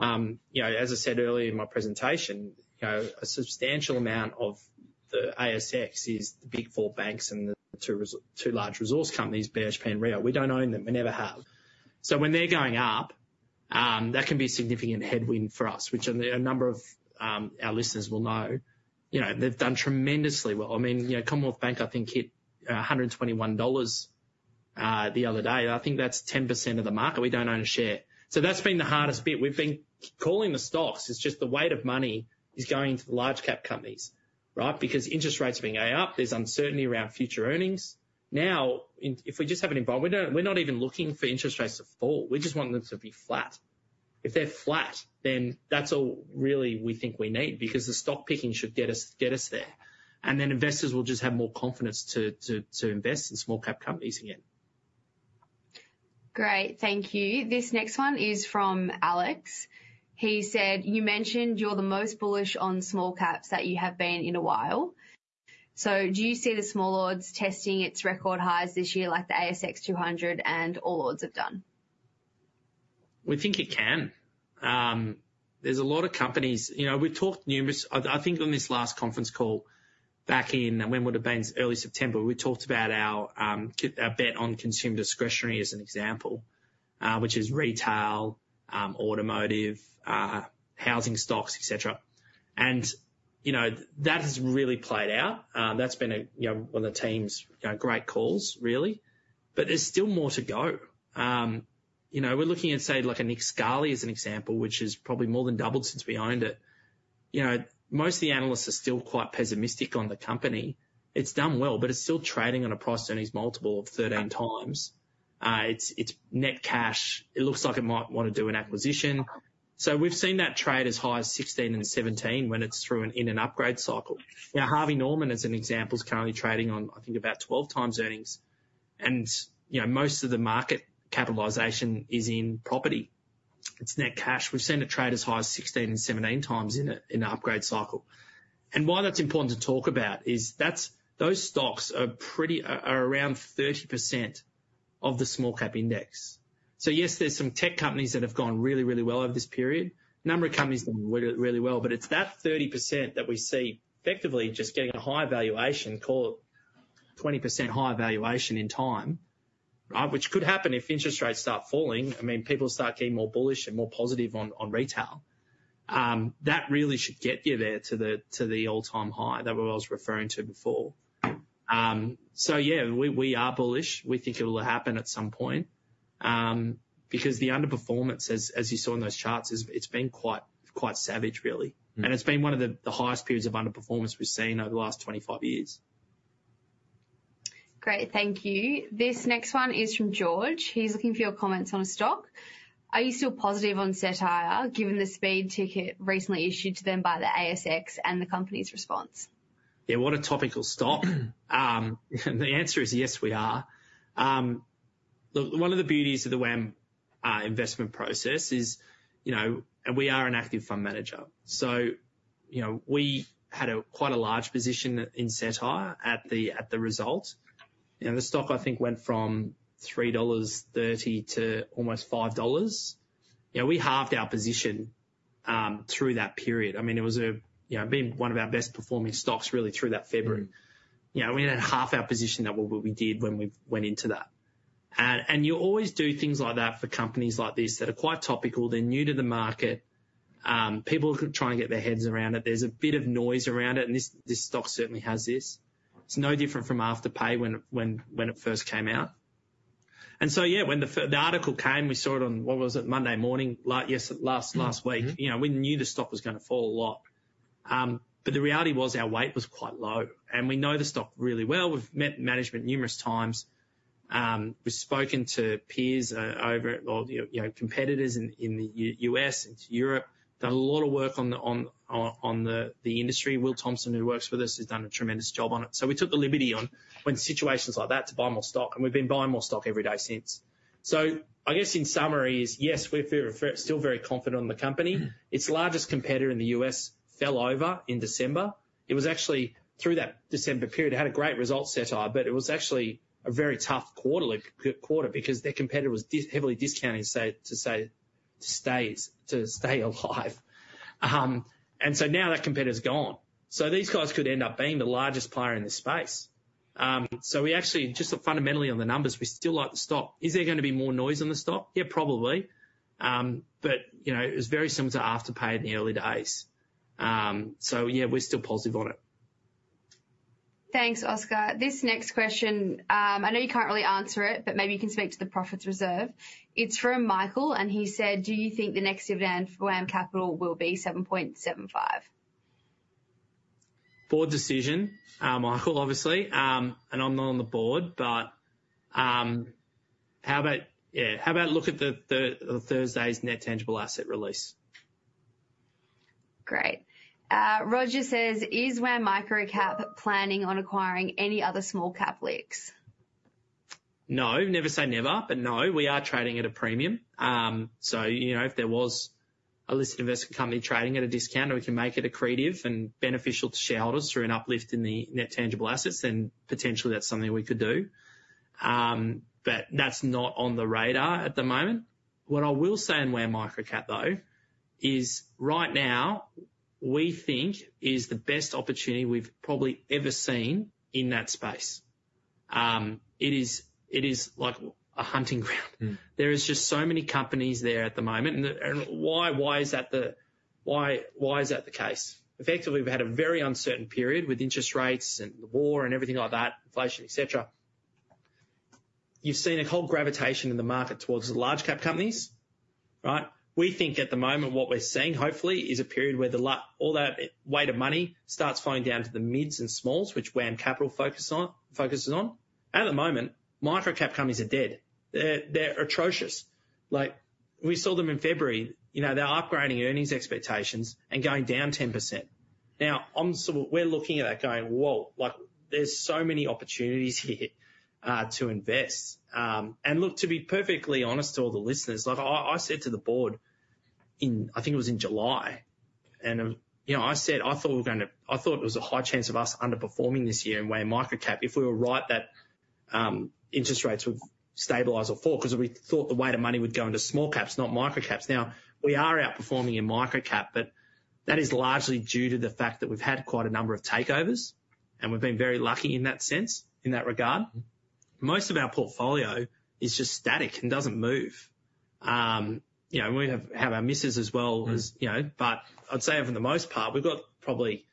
Speaker 1: you know, as I said earlier in my presentation, you know, a substantial amount of the ASX is the Big Four banks and the two large resource companies, BHP and Rio. We don't own them. We never have. So when they're going up, that can be a significant headwind for us, which a number of our listeners will know. You know, they've done tremendously well. I mean, you know, Commonwealth Bank, I think, hit 121 dollars the other day. I think that's 10% of the market. We don't own a share. So that's been the hardest bit. We've been calling the stocks. It's just the weight of money is going to the large-cap companies, right, because interest rates are being priced up. There's uncertainty around future earnings. Now, if we just have an environment we're not even looking for interest rates to fall. We just want them to be flat. If they're flat, then that's all really we think we need because the stock picking should get us there. And then investors will just have more confidence to invest in small-cap companies again.
Speaker 3: Great. Thank you. This next one is from Alex. He said, "You mentioned you're the most bullish on small caps that you have been in a while. So do you see the Small Ords testing its record highs this year like the ASX 200 and All Ords have done?
Speaker 1: We think it can. There's a lot of companies you know, we've talked numerous I think on this last conference call back in when we were at Brisbane early September, we talked about our bet on consumer discretionary as an example, which is retail, automotive, housing stocks, etc. And, you know, that has really played out. That's been one of the team's great calls, really. But there's still more to go. You know, we're looking at, say, like a Nick Scali as an example, which has probably more than doubled since we owned it. You know, most of the analysts are still quite pessimistic on the company. It's done well. But it's still trading on a price earnings multiple of 13x. It's net cash. It looks like it might want to do an acquisition. So we've seen that trade as high as 16x and 17x when it's through an in-and-upgrade cycle. Now, Harvey Norman as an example is currently trading on, I think, about 12x earnings. And, you know, most of the market capitalization is in property. It's net cash. We've seen it trade as high as 16x and 17x in an upgrade cycle. And why that's important to talk about is those stocks are around 30% of the small cap index. So yes, there's some tech companies that have gone really, really well over this period. A number of companies have done really well. But it's that 30% that we see effectively just getting a higher valuation, call it 20% higher valuation in time, right, which could happen if interest rates start falling. I mean, people start getting more bullish and more positive on retail. That really should get you there to the all-time high that I was referring to before. So yeah, we are bullish. We think it will happen at some point because the underperformance, as you saw in those charts, it's been quite savage, really. And it's been one of the highest periods of underperformance we've seen over the last 25 years.
Speaker 3: Great. Thank you. This next one is from George. He's looking for your comments on a stock. "Are you still positive on Cettire given the speeding ticket recently issued to them by the ASX and the company's response?
Speaker 1: Yeah, what a topical stock. The answer is yes, we are. Look, one of the beauties of the WAM investment process is, you know, and we are an active fund manager. So, you know, we had quite a large position in Cettire at the result. You know, the stock, I think, went from 3.30 dollars to almost 5 dollars. You know, we halved our position through that period. I mean, it was a, you know, been one of our best-performing stocks, really, through that February. You know, we only had half our position that we did when we went into that. And you always do things like that for companies like this that are quite topical. They're new to the market. People are trying to get their heads around it. There's a bit of noise around it. And this stock certainly has this. It's no different from Afterpay when it first came out. And so yeah, when the article came, we saw it on what was it? Monday morning? Yes, last week. You know, we knew the stock was going to fall a lot. But the reality was our weight was quite low. And we know the stock really well. We've met management numerous times. We've spoken to peers over or competitors in the U.S. and Europe. Done a lot of work on the industry. Will Thompson, who works with us, has done a tremendous job on it. So we took the liberty on, when situations like that, to buy more stock. And we've been buying more stock every day since. So I guess in summary is yes, we're still very confident on the company. Its largest competitor in the U.S. fell over in December. It was actually through that December period. It had a great result, Cettire. But it was actually a very tough quarter because their competitor was heavily discounting to stay alive. And so now that competitor's gone. So these guys could end up being the largest player in this space. So we actually just fundamentally on the numbers, we still like the stock. Is there going to be more noise on the stock? Yeah, probably. But, you know, it was very similar to Afterpay in the early days. So yeah, we're still positive on it.
Speaker 3: Thanks, Oscar. This next question, I know you can't really answer it, but maybe you can speak to the profit reserve. It's from Michael. He said, "Do you think the next dividend for WAM Capital will be 7.75?
Speaker 1: Board decision, Michael, obviously. I'm not on the board. Yeah, how about look at Thursday's net tangible asset release?
Speaker 3: Great. Roger says, "Is WAM Microcap planning on acquiring any other small cap LICs?
Speaker 1: No, never say never. But no, we are trading at a premium. So, you know, if there was a listed investment company trading at a discount, we can make it accretive and beneficial to shareholders through an uplift in the net tangible assets. Then potentially, that's something we could do. But that's not on the radar at the moment. What I will say on WAM Microcap, though, is right now, we think is the best opportunity we've probably ever seen in that space. It is like a hunting ground. There is just so many companies there at the moment. And why is that the case? Effectively, we've had a very uncertain period with interest rates and the war and everything like that, inflation, etc. You've seen a whole gravitation in the market towards large cap companies, right? We think at the moment what we're seeing, hopefully, is a period where all that weight of money starts flowing down to the mids and smalls, which WAM Capital focuses on. At the moment, microcap companies are dead. They're atrocious. Like, we saw them in February. You know, they're upgrading earnings expectations and going down 10%. Now, we're looking at that going, "Whoa, there's so many opportunities here to invest." And look, to be perfectly honest to all the listeners, I said to the board in I think it was in July. And, you know, I said, "I thought it was a high chance of us underperforming this year in WAM Microcap if we were right that interest rates would stabilize or fall because we thought the weight of money would go into small caps, not microcaps." Now, we are outperforming in microcap. But that is largely due to the fact that we've had quite a number of takeovers. And we've been very lucky in that sense, in that regard. Most of our portfolio is just static and doesn't move. You know, we have our misses as well as, you know, but I'd say for the most part, we've got probably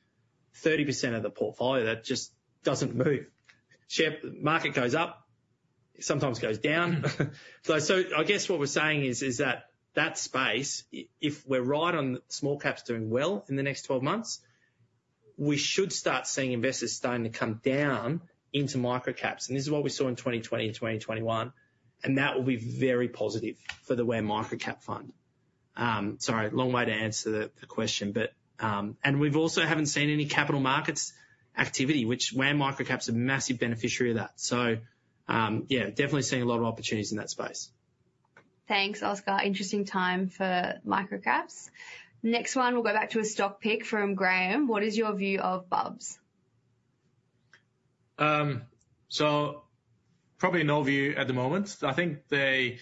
Speaker 1: 30% of the portfolio that just doesn't move. Market goes up. Sometimes it goes down. So I guess what we're saying is that that space, if we're right on small caps doing well in the next 12 months, we should start seeing investors starting to come down into microcaps. And this is what we saw in 2020 and 2021. And that will be very positive for the WAM Microcap Fund. Sorry, long way to answer the question. We also haven't seen any capital markets activity, which WAM Microcap's a massive beneficiary of that. Yeah, definitely seeing a lot of opportunities in that space.
Speaker 3: Thanks, Oscar. Interesting time for microcaps. Next one, we'll go back to a stock pick from Graham. "What is your view of Bubs?
Speaker 2: So probably no view at the moment. I think they,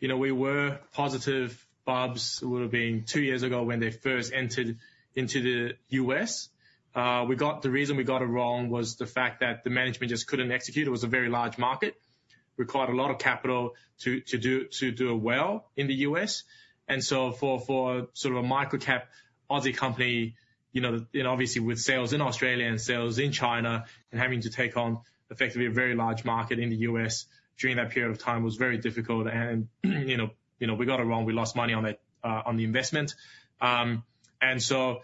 Speaker 2: you know, we were positive. Bubs would have been two years ago when they first entered into the U.S. The reason we got it wrong was the fact that the management just couldn't execute. It was a very large market, required a lot of capital to do it well in the U.S. And so for sort of a microcap Aussie company, you know, and obviously with sales in Australia and sales in China and having to take on effectively a very large market in the U.S. during that period of time was very difficult. And, you know, we got it wrong. We lost money on the investment. And so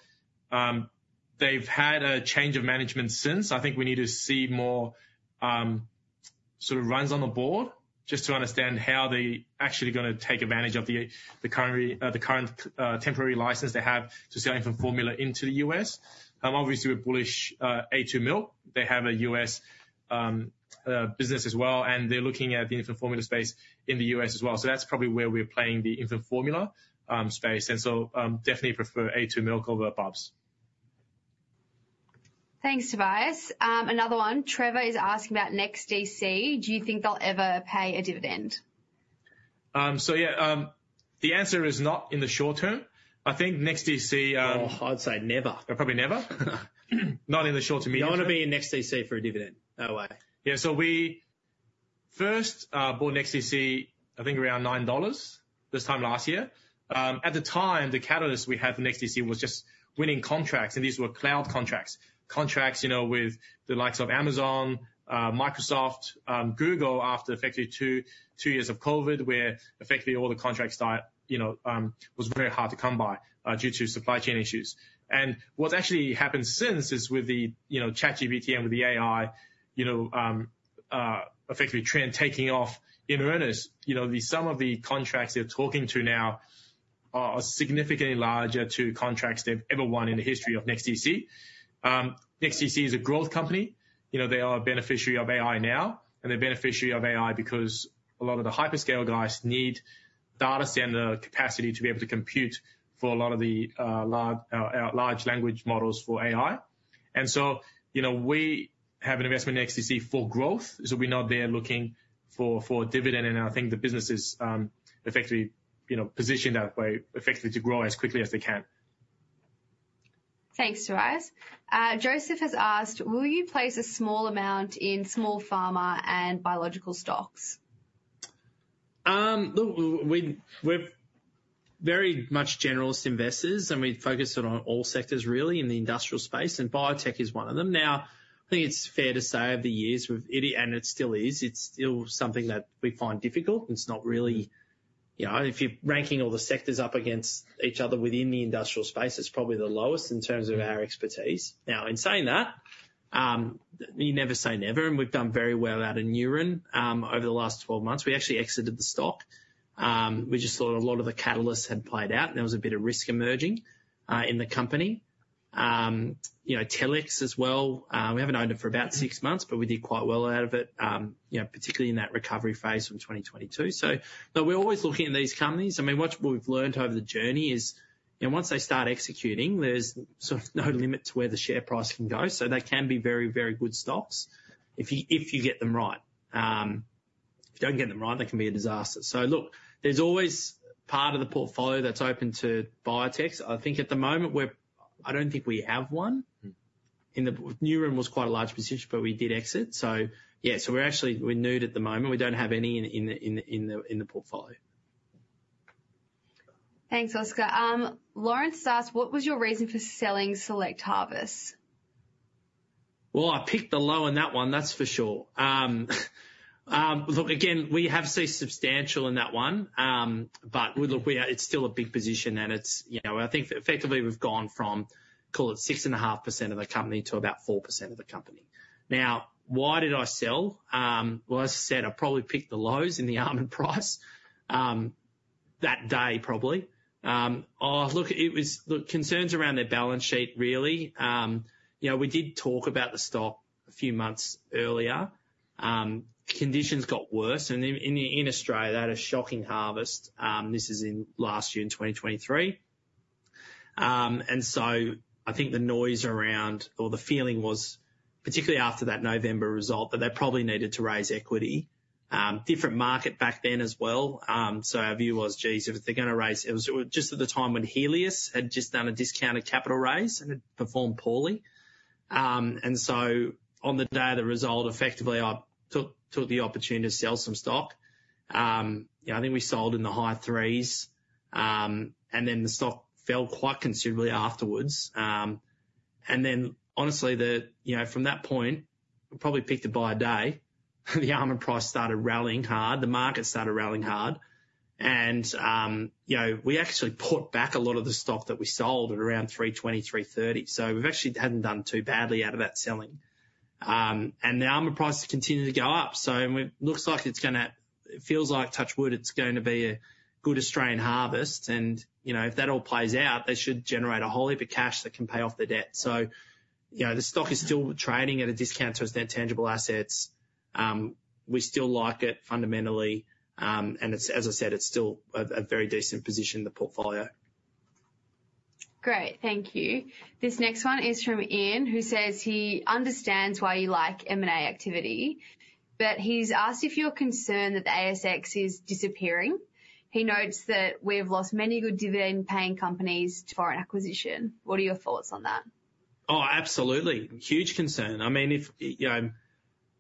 Speaker 2: they've had a change of management since. I think we need to see more sort of runs on the board just to understand how they're actually going to take advantage of the current temporary license they have to sell infant formula into the U.S. Obviously, we're bullish a2 Milk. They have a U.S. business as well. And they're looking at the infant formula space in the U.S. as well. So that's probably where we're playing the infant formula space. And so definitely prefer a2 Milk over Bubs.
Speaker 3: Thanks, Tobias. Another one. Trevor is asking about Nextdc. "Do you think they'll ever pay a dividend?
Speaker 2: So yeah, the answer is not in the short term. I think Nextdc.
Speaker 1: Oh, I'd say never.
Speaker 2: Probably never. Not in the short to medium term.
Speaker 1: Don't want to be in Nextdc for a dividend. No way.
Speaker 2: Yeah, so we first bought Nextdc, I think, around 9 dollars this time last year. At the time, the catalyst we had for Nextdc was just winning contracts. And these were cloud contracts, contracts, you know, with the likes of Amazon, Microsoft, Google after effectively two years of COVID where effectively all the contracts died, you know, was very hard to come by due to supply chain issues. And what's actually happened since is with the, you know, ChatGPT and with the AI, you know, effectively trend taking off in earnest, you know, some of the contracts they're talking to now are significantly larger to contracts they've ever won in the history of Nextdc. Nextdc is a growth company. You know, they are a beneficiary of AI now. They're beneficiaries of AI because a lot of the hyperscale guys need data center capacity to be able to compute for a lot of the large language models for AI. And so, you know, we have an investment in Nextdc for growth. So we're not there looking for a dividend. And I think the business is effectively, you know, positioned that way effectively to grow as quickly as they can.
Speaker 3: Thanks, Tobias. Joseph has asked, "Will you place a small amount in small pharma and biological stocks?
Speaker 1: Look, we're very much generalist investors. And we focus on all sectors, really, in the industrial space. And biotech is one of them. Now, I think it's fair to say over the years, and it still is, it's still something that we find difficult. It's not really, you know, if you're ranking all the sectors up against each other within the industrial space, it's probably the lowest in terms of our expertise. Now, in saying that, you never say never. And we've done very well out of Neuren over the last 12 months. We actually exited the stock. We just thought a lot of the catalysts had played out. And there was a bit of risk emerging in the company. You know, Telix as well. We haven't owned it for about six months. But we did quite well out of it, you know, particularly in that recovery phase from 2022. So look, we're always looking at these companies. I mean, what we've learned over the journey is, you know, once they start executing, there's sort of no limit to where the share price can go. So they can be very, very good stocks if you get them right. If you don't get them right, they can be a disaster. So look, there's always part of the portfolio that's open to biotech. I think at the moment, I don't think we have one. Neuren was quite a large position. But we did exit. So yeah, so we're actually nude at the moment. We don't have any in the portfolio.
Speaker 3: Thanks, Oscar. Lawrence asks, "What was your reason for selling Select Harvests?
Speaker 1: Well, I picked the low on that one, that's for sure. Look, again, we have seen substantial in that one. But look, it's still a big position. And it's, you know, I think effectively, we've gone from, call it, 6.5% of the company to about 4% of the company. Now, why did I sell? Well, as I said, I probably picked the lows in the share price that day, probably. Look, it was, look, concerns around their balance sheet, really. You know, we did talk about the stock a few months earlier. Conditions got worse. And in Australia, they had a shocking harvest. This is in last year, in 2023. And so I think the noise around or the feeling was, particularly after that November result, that they probably needed to raise equity. Different market back then as well. So our view was, geez, if they're going to raise, it was just at the time when Healius had just done a discounted capital raise and had performed poorly. So on the day of the result, effectively, I took the opportunity to sell some stock. You know, I think we sold in the high threes. Then the stock fell quite considerably afterwards. Then honestly, you know, from that point, we probably picked to buy a day. The almond price price started rallying hard. The market started rallying hard. You know, we actually put back a lot of the stock that we sold at around 320-330. So we've actually hadn't done too badly out of that selling. The almond price continued to go up. So it looks like it's going to, it feels like, touch wood, it's going to be a good Australian harvest. You know, if that all plays out, they should generate a whole heap of cash that can pay off their debt. You know, the stock is still trading at a discount to its net tangible assets. We still like it fundamentally. And as I said, it's still a very decent position in the portfolio.
Speaker 3: Great. Thank you. This next one is from Ian, who says he understands why you like M&A activity. But he's asked if you're concerned that the ASX is disappearing. He notes that we have lost many good dividend-paying companies to foreign acquisition. What are your thoughts on that?
Speaker 1: Oh, absolutely. Huge concern. I mean, if, you know,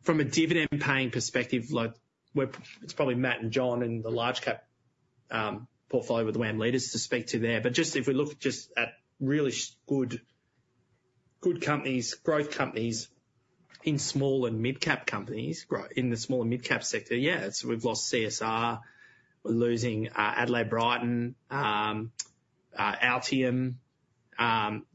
Speaker 1: from a dividend-paying perspective, it's probably Matt and John in the large cap portfolio with WAM Leaders to speak to there. But just if we look just at really good companies, growth companies in small and mid-cap companies, in the small and mid-cap sector, yeah, we've lost CSR. We're losing Adelaide Brighton, Altium,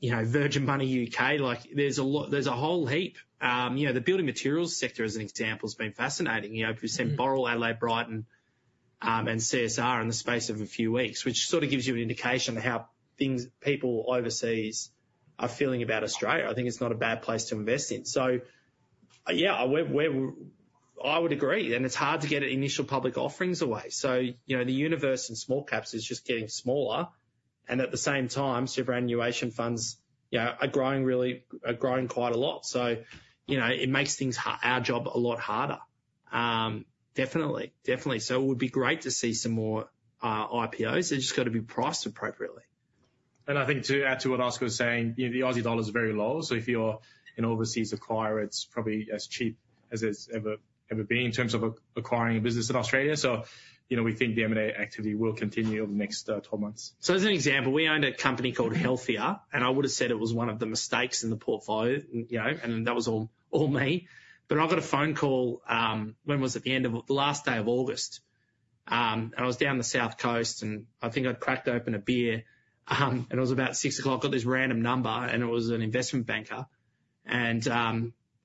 Speaker 1: you know, Virgin Money U.K. There's a whole heap. You know, the building materials sector, as an example, has been fascinating. You know, if you sold Boral, Adelaide Brighton, and CSR in the space of a few weeks, which sort of gives you an indication of how people overseas are feeling about Australia. I think it's not a bad place to invest in. So yeah, I would agree. And it's hard to get initial public offerings away. So, you know, the universe in small caps is just getting smaller. And at the same time, superannuation funds, you know, are growing really quite a lot. So, you know, it makes our job a lot harder. Definitely, definitely. So it would be great to see some more IPOs. They've just got to be priced appropriately.
Speaker 2: And I think to add to what Oscar was saying, you know, the Aussie dollar is very low. So if you're an overseas acquirer, it's probably as cheap as it's ever been in terms of acquiring a business in Australia. So, you know, we think the M&A activity will continue over the next 12 months.
Speaker 1: So as an example, we owned a company called Healthia. And I would have said it was one of the mistakes in the portfolio, you know, and that was all me. But I got a phone call when was it? The end of the last day of August. And I was down the South Coast. And I think I'd cracked open a beer. And it was about 6 o'clock. I got this random number. And it was an investment banker. And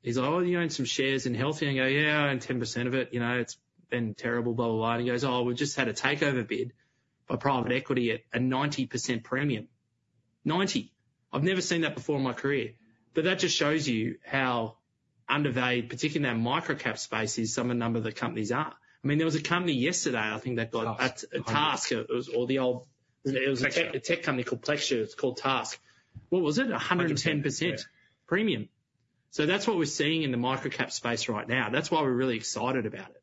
Speaker 1: he's like, "Oh, you own some shares in Healthia?" And I go, "Yeah, I own 10% of it. You know, it's been terrible, blah, blah, blah." And he goes, "Oh, we just had a takeover bid by private equity at a 90% premium." 90. I've never seen that before in my career. But that just shows you how undervalued, particularly in that microcap space, is some of the number that companies are. I mean, there was a company yesterday, I think, that got a TASK. It was a tech company called Plexure. It's called TASK. What was it? 110% premium. So that's what we're seeing in the microcap space right now. That's why we're really excited about it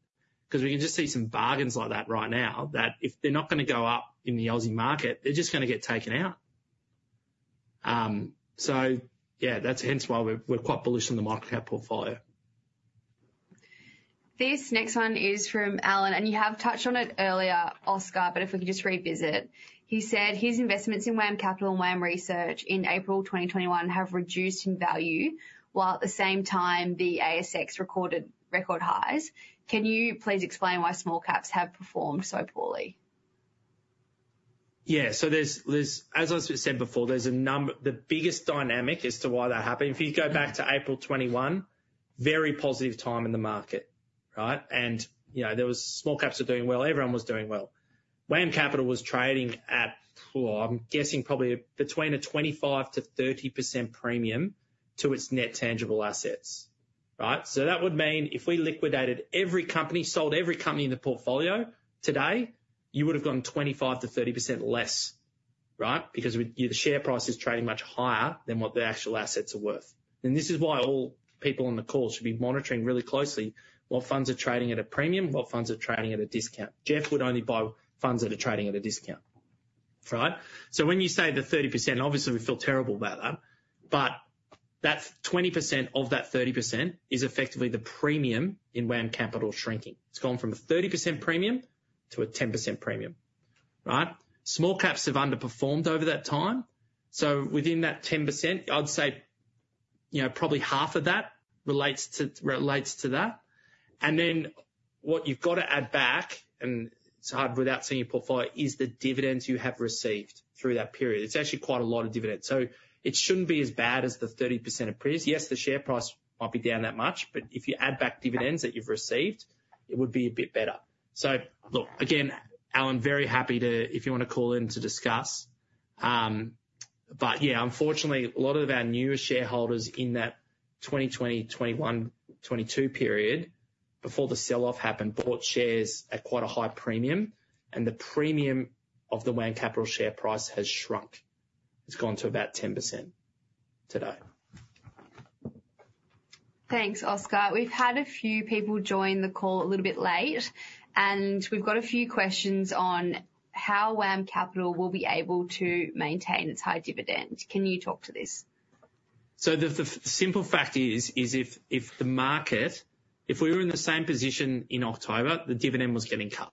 Speaker 1: because we can just see some bargains like that right now that if they're not going to go up in the Aussie market, they're just going to get taken out. So yeah, that's hence why we're quite bullish on the microcap portfolio.
Speaker 3: This next one is from Alan. You have touched on it earlier, Oscar, but if we could just revisit. He said his investments in WAM Capital and WAM Research in April 2021 have reduced in value while at the same time, the ASX recorded record highs. Can you please explain why small caps have performed so poorly?
Speaker 1: Yeah, so as I said before, there's a number the biggest dynamic as to why that happened. If you go back to April 2021, very positive time in the market, right? And, you know, small caps were doing well. Everyone was doing well. WAM Capital was trading at, I'm guessing, probably between a 25%-30% premium to its net tangible assets, right? So that would mean if we liquidated every company, sold every company in the portfolio today, you would have gotten 25%-30% less, right? Because the share price is trading much higher than what the actual assets are worth. And this is why all people on the call should be monitoring really closely what funds are trading at a premium, what funds are trading at a discount. Geoff would only buy funds that are trading at a discount, right? So when you say the 30%, obviously, we feel terrible about that. But that 20% of that 30% is effectively the premium in WAM Capital shrinking. It's gone from a 30% premium to a 10% premium, right? Small caps have underperformed over that time. So within that 10%, I'd say, you know, probably half of that relates to that. And then what you've got to add back, and it's hard without seeing your portfolio, is the dividends you have received through that period. It's actually quite a lot of dividends. So it shouldn't be as bad as the 30% of previous. Yes, the share price might be down that much. But if you add back dividends that you've received, it would be a bit better. So look, again, Alan, very happy to if you want to call in to discuss. Yeah, unfortunately, a lot of our newest shareholders in that 2020, 2021, 2022 period, before the sell-off happened, bought shares at quite a high premium. The premium of the WAM Capital share price has shrunk. It's gone to about 10% today.
Speaker 3: Thanks, Oscar. We've had a few people join the call a little bit late. We've got a few questions on how WAM Capital will be able to maintain its high dividend. Can you talk to this?
Speaker 1: So the simple fact is, if we were in the same position in October, the dividend was getting cut,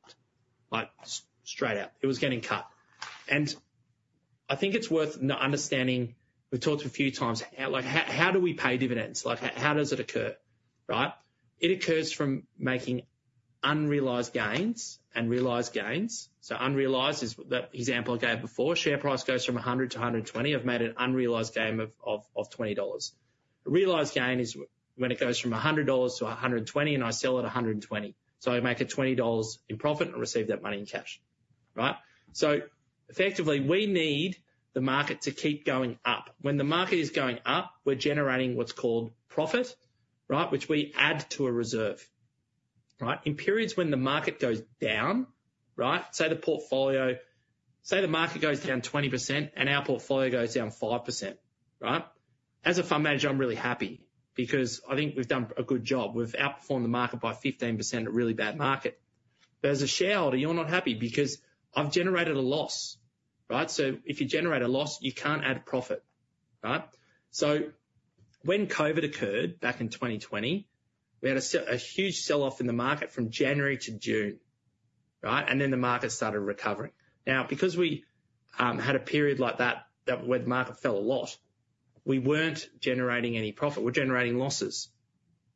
Speaker 1: straight out. It was getting cut. And I think it's worth understanding we've talked a few times how do we pay dividends? How does it occur, right? It occurs from making unrealized gains and realized gains. So unrealized is that example I gave before. Share price goes from 100 to 120. I've made an unrealized gain of 20 dollars. A realized gain is when it goes from 100 dollars to 120. And I sell at 120. So I make a 20 dollars in profit and receive that money in cash, right? So effectively, we need the market to keep going up. When the market is going up, we're generating what's called profit, right, which we add to a reserve, right? In periods when the market goes down, right, say, the portfolio, say the market goes down 20% and our portfolio goes down 5%, right, as a fund manager, I'm really happy because I think we've done a good job. We've outperformed the market by 15% at a really bad market. But as a shareholder, you're not happy because I've generated a loss, right? So if you generate a loss, you can't add profit, right? So when COVID occurred back in 2020, we had a huge sell-off in the market from January to June, right? And then the market started recovering. Now, because we had a period like that where the market fell a lot, we weren't generating any profit. We're generating losses.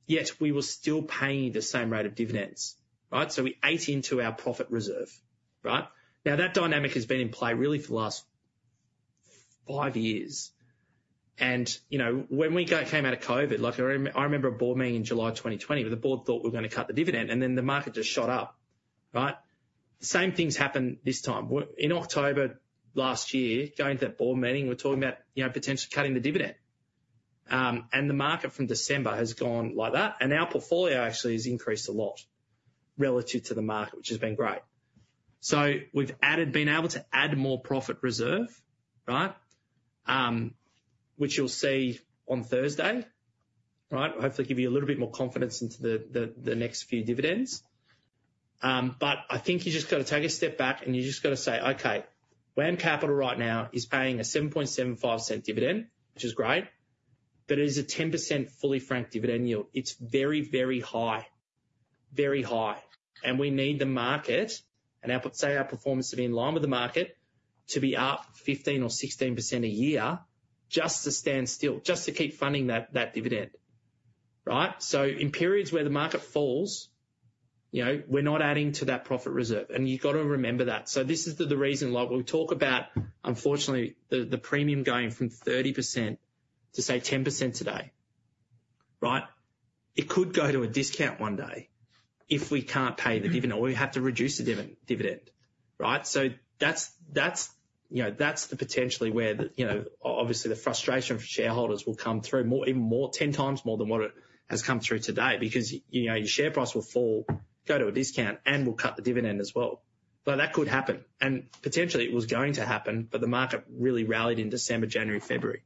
Speaker 1: Yet, we were still paying the same rate of dividends, right? So we ate into our profit reserve, right? Now, that dynamic has been in play really for the last five years. And, you know, when we came out of COVID, look, I remember a board meeting in July 2020. But the board thought we were going to cut the dividend. And then the market just shot up, right? Same things happened this time. In October last year, going to that board meeting, we were talking about potentially cutting the dividend. And the market from December has gone like that. And our portfolio actually has increased a lot relative to the market, which has been great. So we've been able to add more profit reserve, right, which you'll see on Thursday, right, hopefully give you a little bit more confidence into the next few dividends. But I think you just got to take a step back. And you just got to say, "Okay, WAM Capital right now is paying a 0.0775 dividend, which is great. But it is a 10% fully franked dividend yield. It's very, very high, very high. And we need the market and say our performance to be in line with the market to be up 15% or 16% a year just to stand still, just to keep funding that dividend, right?" So in periods where the market falls, you know, we're not adding to that profit reserve. And you've got to remember that. So this is the reason why we talk about, unfortunately, the premium going from 30% to say 10% today, right? It could go to a discount one day if we can't pay the dividend or we have to reduce the dividend, right? So that's, you know, that's potentially where the, you know, obviously, the frustration for shareholders will come through even more 10x more than what it has come through today because, you know, your share price will fall, go to a discount, and will cut the dividend as well. But that could happen. And potentially, it was going to happen. But the market really rallied in December, January, February.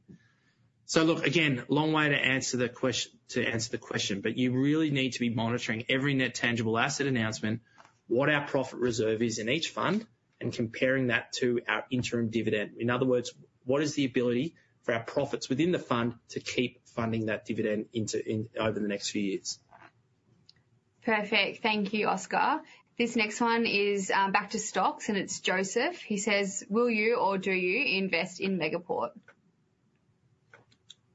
Speaker 1: So look, again, long way to answer the question to answer the question. But you really need to be monitoring every Net Tangible Assets announcement, what our Profit Reserve is in each fund, and comparing that to our interim dividend. In other words, what is the ability for our profits within the fund to keep funding that dividend over the next few years?
Speaker 3: Perfect. Thank you, Oscar. This next one is back to stocks. It's Joseph. He says, "Will you or do you invest in Megaport?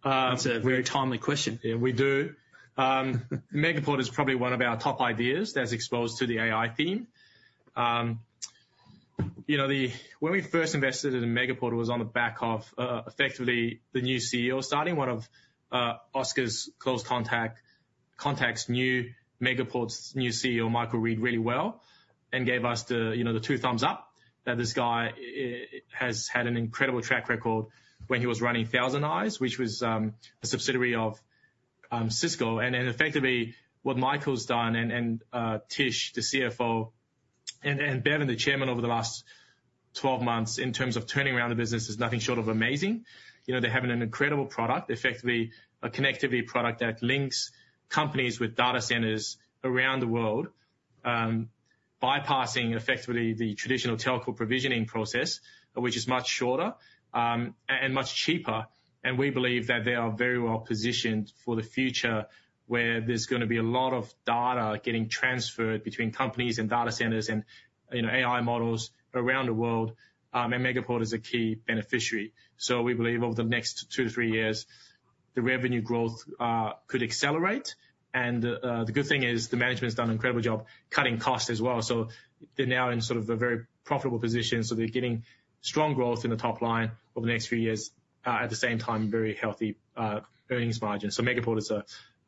Speaker 2: That's a very timely question. We do. Megaport is probably one of our top ideas that's exposed to the AI theme. You know, when we first invested in Megaport, it was on the back of effectively the new CEO starting. One of Oscar's close contacts knew Megaport's new CEO, Michael Reid, really well and gave us the, you know, the two thumbs up that this guy has had an incredible track record when he was running ThousandEyes, which was a subsidiary of Cisco. And effectively, what Michael's done and Tish, the CFO, and Bevan, the Chairman, over the last 12 months in terms of turning around the business is nothing short of amazing. You know, they're having an incredible product, effectively a connectivity product that links companies with data centers around the world, bypassing effectively the traditional telco provisioning process, which is much shorter and much cheaper. We believe that they are very well positioned for the future where there's going to be a lot of data getting transferred between companies and data centers and, you know, AI models around the world. Megaport is a key beneficiary. We believe over the next two-three years, the revenue growth could accelerate. The good thing is the management's done an incredible job cutting costs as well. They're now in sort of a very profitable position. They're getting strong growth in the top line over the next few years, at the same time, very healthy earnings margins. Megaport is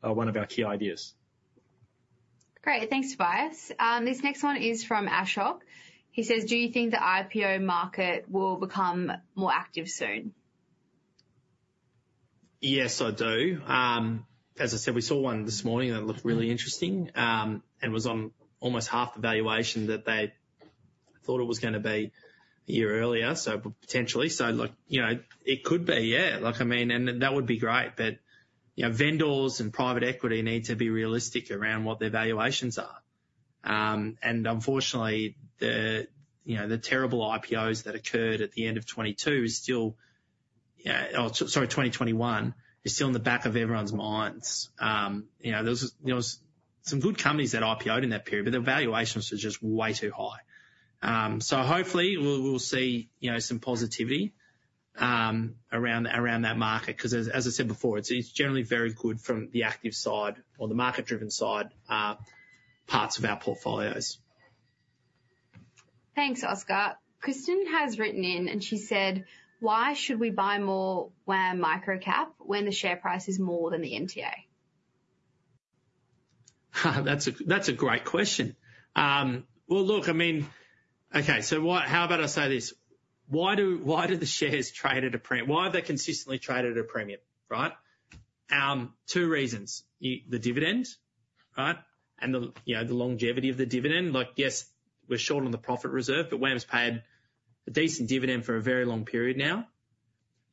Speaker 2: one of our key ideas.
Speaker 3: Great. Thanks, Tobias. This next one is from Ashok. He says, "Do you think the IPO market will become more active soon?
Speaker 1: Yes, I do. As I said, we saw one this morning that looked really interesting and was on almost half the valuation that they thought it was going to be a year earlier, so potentially. So look, you know, it could be, yeah. Look, I mean, and that would be great. But, you know, vendors and private equity need to be realistic around what their valuations are. And unfortunately, the, you know, the terrible IPOs that occurred at the end of 2022 is still, yeah oh, sorry, 2021 is still in the back of everyone's minds. You know, there was some good companies that IPOed in that period. But their valuations were just way too high. So hopefully, we'll see, you know, some positivity around that market because, as I said before, it's generally very good from the active side or the market-driven side parts of our portfolios.
Speaker 3: Thanks, Oscar. Kristen has written in. She said, "Why should we buy more WAM Microcap when the share price is more than the NTA?
Speaker 1: That's a great question. Well, look, I mean, okay, so how about I say this? Why have they consistently traded at a premium, right? Two reasons. The dividend, right, and the longevity of the dividend. Look, yes, we're short on the profit reserve. But WAM's paid a decent dividend for a very long period now.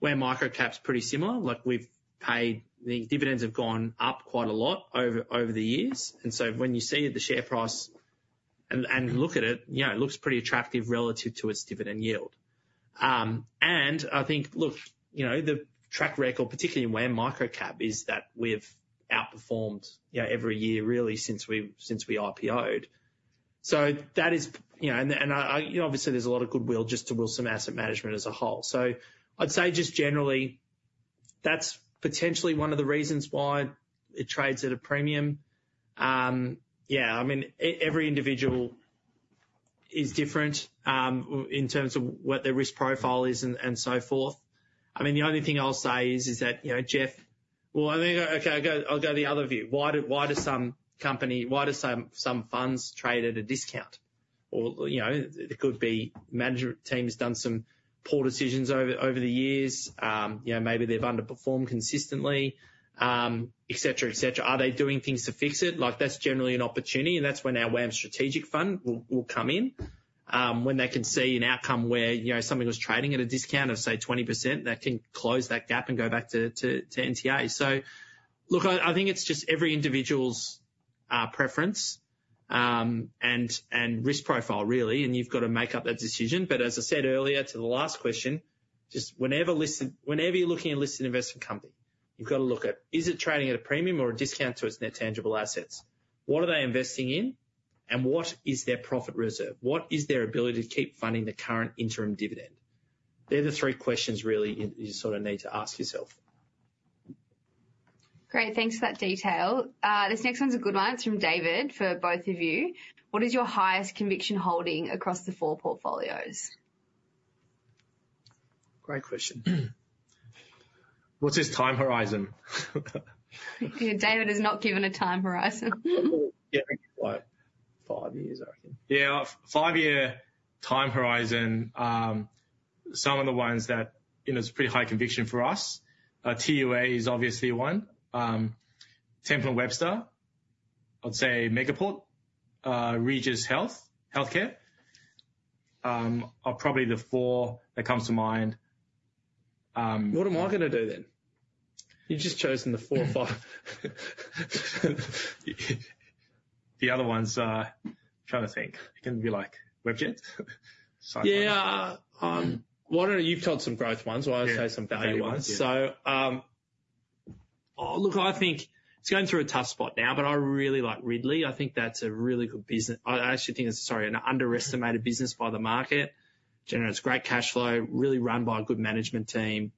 Speaker 1: WAM Microcap's pretty similar. Look, we've paid. The dividends have gone up quite a lot over the years. And so when you see it, the share price and look at it, you know, it looks pretty attractive relative to its dividend yield. And I think, look, you know, the track record, particularly in WAM Microcap, is that we've outperformed every year really since we IPOed. So that is, you know, and obviously, there's a lot of goodwill just towards some asset management as a whole. So I'd say just generally, that's potentially one of the reasons why it trades at a premium. Yeah, I mean, every individual is different in terms of what their risk profile is and so forth. I mean, the only thing I'll say is that, you know, Geoff well, I think, okay, I'll go the other view. Why do some funds trade at a discount? Or, you know, it could be the management team has done some poor decisions over the years. You know, maybe they've underperformed consistently, etc., etc. Are they doing things to fix it? Look, that's generally an opportunity. And that's when our WAM Strategic Fund will come in, when they can see an outcome where, you know, something was trading at a discount of, say, 20% that can close that gap and go back to NTA. So look, I think it's just every individual's preference and risk profile, really. And you've got to make up that decision. But as I said earlier, to the last question, just whenever you're looking at a listed investment company, you've got to look at, is it trading at a premium or a discount to its net tangible assets? What are they investing in? And what is their profit reserve? What is their ability to keep funding the current interim dividend? They're the three questions, really, you sort of need to ask yourself.
Speaker 3: Great. Thanks for that detail. This next one's a good one. It's from David for both of you. "What is your highest conviction holding across the four portfolios?
Speaker 2: Great question. What's his time horizon?
Speaker 3: David has not given a time horizon.
Speaker 2: Yeah, five years, I reckon. Yeah, five-year time horizon, some of the ones that, you know, it's a pretty high conviction for us. Tuas is obviously one. Temple & Webster, I'd say Megaport. Regis Healthcare. Are probably the four that come to mind.
Speaker 1: What am I going to do then? You've just chosen the four or five.
Speaker 2: The other ones, I'm trying to think. It can be like Webjet, Cyclopharm.
Speaker 1: Yeah. You've told some growth ones. Well, I'll say some value ones.
Speaker 2: Value ones.
Speaker 1: So look, I think it's going through a tough spot now. But I really like Ridley. I think that's a really good business. I actually think it's, sorry, an underestimated business by the market. Generates great cash flow, really run by a good management team,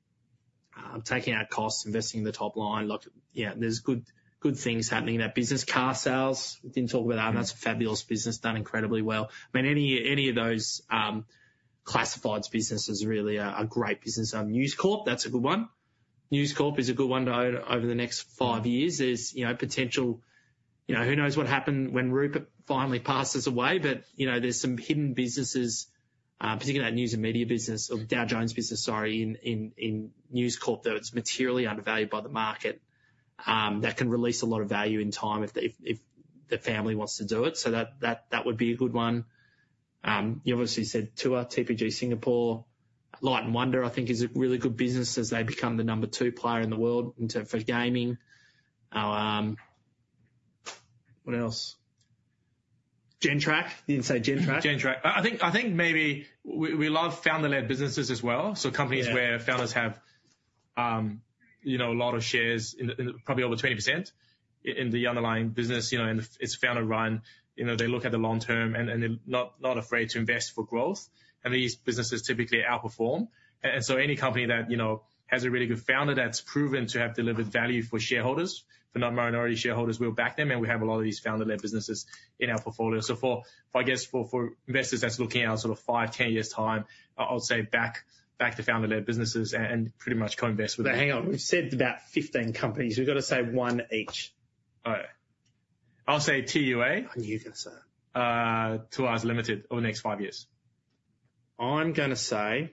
Speaker 1: taking out costs, investing in the top line. Look, yeah, there's good things happening in that business. Carsales, we didn't talk about that. That's a fabulous business done incredibly well. I mean, any of those classifieds businesses really are great businesses. News Corp, that's a good one. News Corp is a good one to own over the next five years. There's, you know, potential. You know, who knows what happens when Rupert finally passes away. But, you know, there's some hidden businesses, particularly that news and media business or Dow Jones business, sorry, in News Corp that's materially undervalued by the market that can release a lot of value in time if the family wants to do it. So that would be a good one. You obviously said Tuas, TPG Singapore. Light & Wonder, I think, is a really good business as they become the number two player in the world for gaming. What else? Gentrack, didn't say Gentrack.
Speaker 2: Gentrack. I think maybe we love founder-led businesses as well, so companies where founders have, you know, a lot of shares, probably over 20% in the underlying business. You know, it's founder-run. You know, they look at the long term. And they're not afraid to invest for growth. And these businesses typically outperform. And so any company that, you know, has a really good founder that's proven to have delivered value for shareholders, for non-minority shareholders, we'll back them. And we have a lot of these founder-led businesses in our portfolio. So for, I guess, for investors that's looking out sort of 5-10 years time, I would say back to founder-led businesses and pretty much co-invest with them.
Speaker 1: But hang on. We've said about 15 companies. We've got to say one each.
Speaker 2: Oh. I'll say TUA.
Speaker 1: You're going to say?
Speaker 2: Tuas Ltd over the next five years.
Speaker 1: I'm going to say,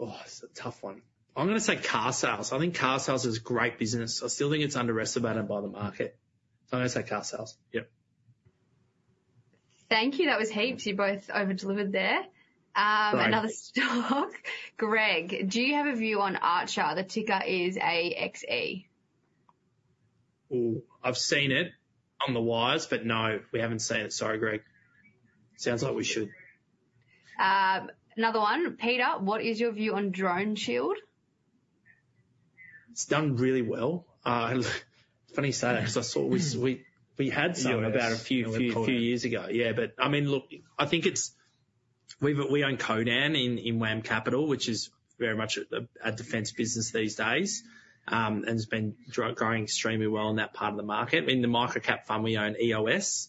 Speaker 1: oh, that's a tough one. I'm going to say Carsales. I think Carsales is a great business. I still think it's underestimated by the market. So I'm going to say Carsales.
Speaker 2: Yep.
Speaker 3: Thank you. That was heaps. You both over-delivered there. Another stock. Greg, do you have a view on Archer? The ticker is AXE.
Speaker 1: Oh, I've seen it on the wires. But no, we haven't seen it. Sorry, Greg. Sounds like we should.
Speaker 3: Another one. Peter, what is your view on DroneShield?
Speaker 1: It's done really well. It's funny you say that because I saw we had some about a few years ago. Yeah. But I mean, look, I think it's we own Codan in WAM Capital, which is very much a defense business these days. And it's been growing extremely well in that part of the market. In the Microcap Fund, we own EOS.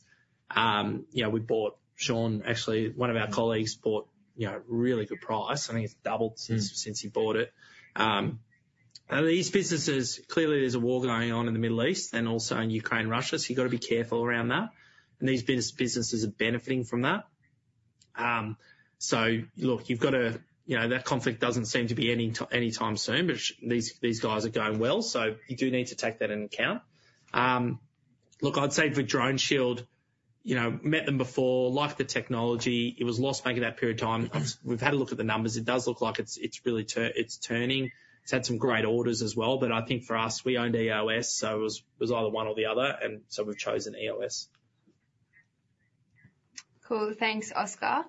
Speaker 1: You know, we bought it. Actually, one of our colleagues bought it, you know, at a really good price. I think it's doubled since he bought it. And these businesses, clearly, there's a war going on in the Middle East and also in Ukraine and Russia. So you've got to be careful around that. And these businesses are benefiting from that. So look, you've got to, you know, that conflict doesn't seem to be ending anytime soon. But these guys are going well. So you do need to take that into account. Look, I'd say for DroneShield, you know, met them before, liked the technology. It was lost back in that period of time. We've had a look at the numbers. It does look like it's really turning. It's had some great orders as well. But I think for us, we owned EOS. So it was either one or the other. And so we've chosen EOS.
Speaker 3: Cool. Thanks, Oscar.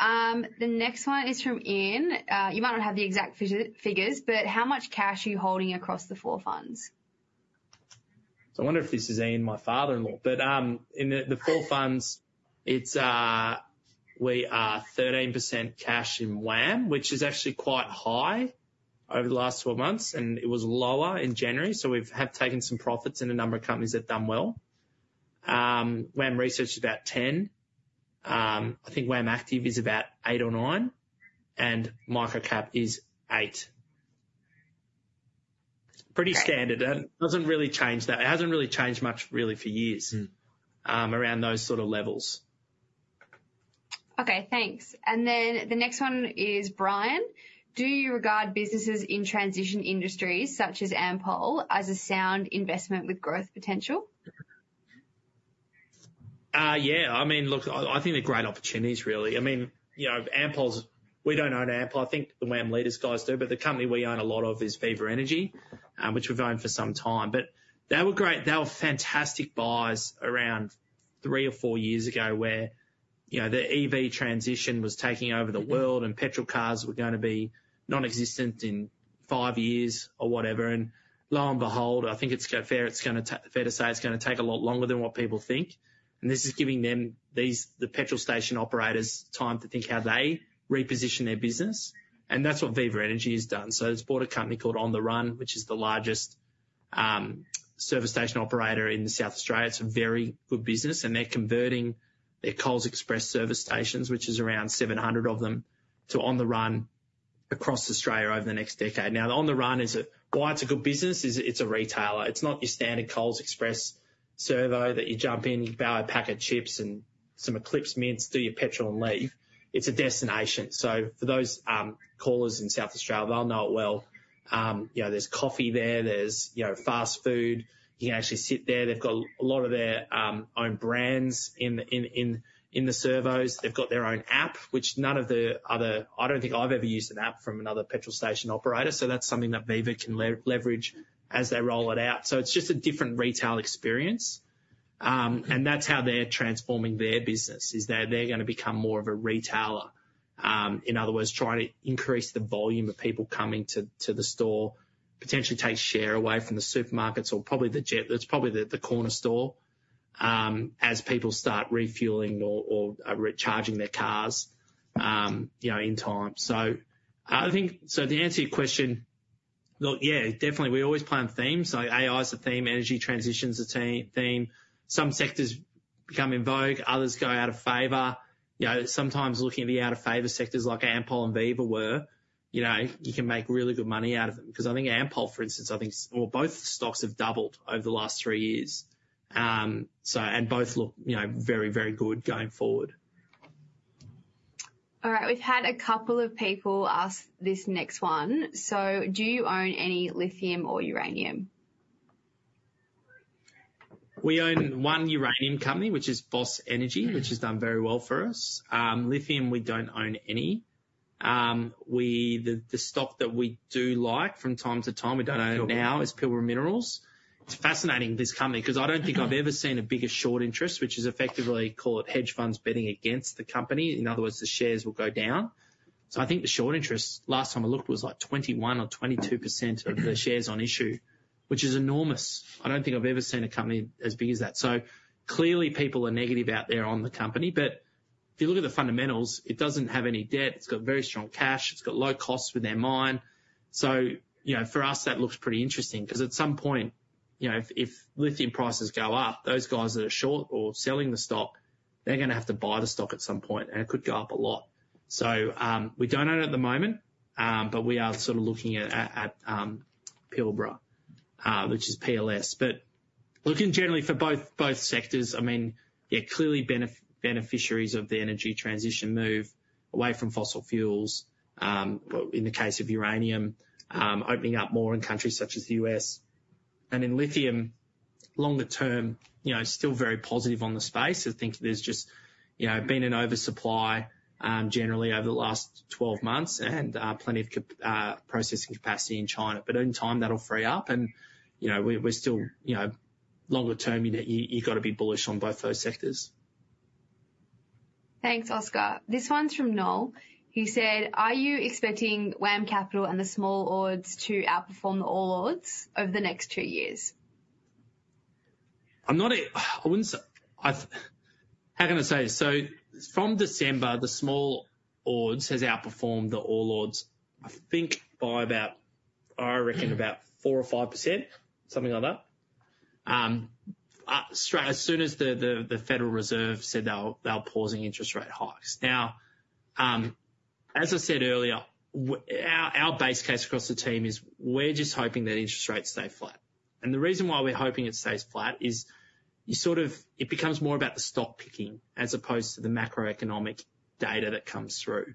Speaker 3: The next one is from Ian. You might not have the exact figures. But how much cash are you holding across the four funds?
Speaker 1: So I wonder if this is Ian, my father-in-law. But in the four funds, we are 13% cash in WAM, which is actually quite high over the last 12 months. And it was lower in January. So we have taken some profits in a number of companies that have done well. WAM Research is about 10%. I think WAM Active is about 8% or 9%. And Microcap is 8%. Pretty standard. It doesn't really change that. It hasn't really changed much, really, for years around those sort of levels.
Speaker 3: Okay. Thanks. And then the next one is Brian. "Do you regard businesses in transition industries such as Ampol as a sound investment with growth potential?
Speaker 2: Yeah. I mean, look, I think they're great opportunities, really. I mean, you know, Ampol's we don't own Ampol. I think the WAM Leaders guys do. But the company we own a lot of is Viva Energy, which we've owned for some time. But they were great. They were fantastic buys around three or four years ago where, you know, the EV transition was taking over the world. And petrol cars were going to be nonexistent in 5 years or whatever. And lo and behold, I think it's fair to say it's going to take a lot longer than what people think. And this is giving the petrol station operators time to think how they reposition their business. And that's what Viva Energy has done. So it's bought a company called On The Run, which is the largest service station operator in South Australia. It's a very good business. They're converting their Coles Express service stations, which is around 700 of them, to On The Run across Australia over the next decade. Now, why the On The Run is a good business is it's a retailer. It's not your standard Coles Express servo that you jump in, buy a pack of chips and some Eclipse mints, do your petrol, and leave. It's a destination. So for those callers in South Australia, they'll know it well. You know, there's coffee there. There's, you know, fast food. You can actually sit there. They've got a lot of their own brands in the servos. They've got their own app, which none of the others. I don't think I've ever used an app from another petrol station operator. So that's something that Fever can leverage as they roll it out. So it's just a different retail experience. And that's how they're transforming their business, is they're going to become more of a retailer, in other words, trying to increase the volume of people coming to the store, potentially take share away from the supermarkets or probably the Jet that's probably the corner store as people start refueling or charging their cars, you know, in time. So I think so to answer your question, look, yeah, definitely, we always plan themes. So AI is a theme. Energy transition is a theme. Some sectors become in vogue. Others go out of favor. You know, sometimes looking at the out-of-favor sectors like Ampol and Viva were, you know, you can make really good money out of them. Because I think Ampol, for instance, I think well, both stocks have doubled over the last three years. And both look, you know, very, very good going forward.
Speaker 3: All right. We've had a couple of people ask this next one. So do you own any lithium or uranium?
Speaker 1: We own one uranium company, which is Boss Energy, which has done very well for us. Lithium, we don't own any. The stock that we do like from time to time we don't own now is Pilbara Minerals. It's fascinating, this company, because I don't think I've ever seen a bigger short interest, which is effectively, call it hedge funds betting against the company. In other words, the shares will go down. So I think the short interest, last time I looked, was like 21% or 22% of the shares on issue, which is enormous. I don't think I've ever seen a company as big as that. So clearly, people are negative out there on the company. But if you look at the fundamentals, it doesn't have any debt. It's got very strong cash. It's got low costs within mine. So, you know, for us, that looks pretty interesting. Because at some point, you know, if lithium prices go up, those guys that are short or selling the stock, they're going to have to buy the stock at some point. And it could go up a lot. So we don't own it at the moment. But we are sort of looking at Pilbara, which is PLS. But looking, generally, for both sectors, I mean, yeah, clearly, beneficiaries of the energy transition move away from fossil fuels, in the case of uranium, opening up more in countries such as the U.S. And in lithium, longer term, you know, still very positive on the space. I think there's just, you know, been an oversupply, generally, over the last 12 months and plenty of processing capacity in China. But in time, that'll free up. And, you know, we're still, you know, longer term, you've got to be bullish on both those sectors.
Speaker 3: Thanks, Oscar. This one's from Noel. He said, "Are you expecting WAM Capital and the Small Ords to outperform the All Ords over the next two years?
Speaker 1: I wouldn't say, how can I say this? So from December, the Small Ords has outperformed the All Ords, I think, by about—I reckon about 4% or 5%, something like that—as soon as the Federal Reserve said they'll pause interest rate hikes. Now, as I said earlier, our base case across the team is we're just hoping that interest rates stay flat. And the reason why we're hoping it stays flat is you sort of it becomes more about the stock picking as opposed to the macroeconomic data that comes through.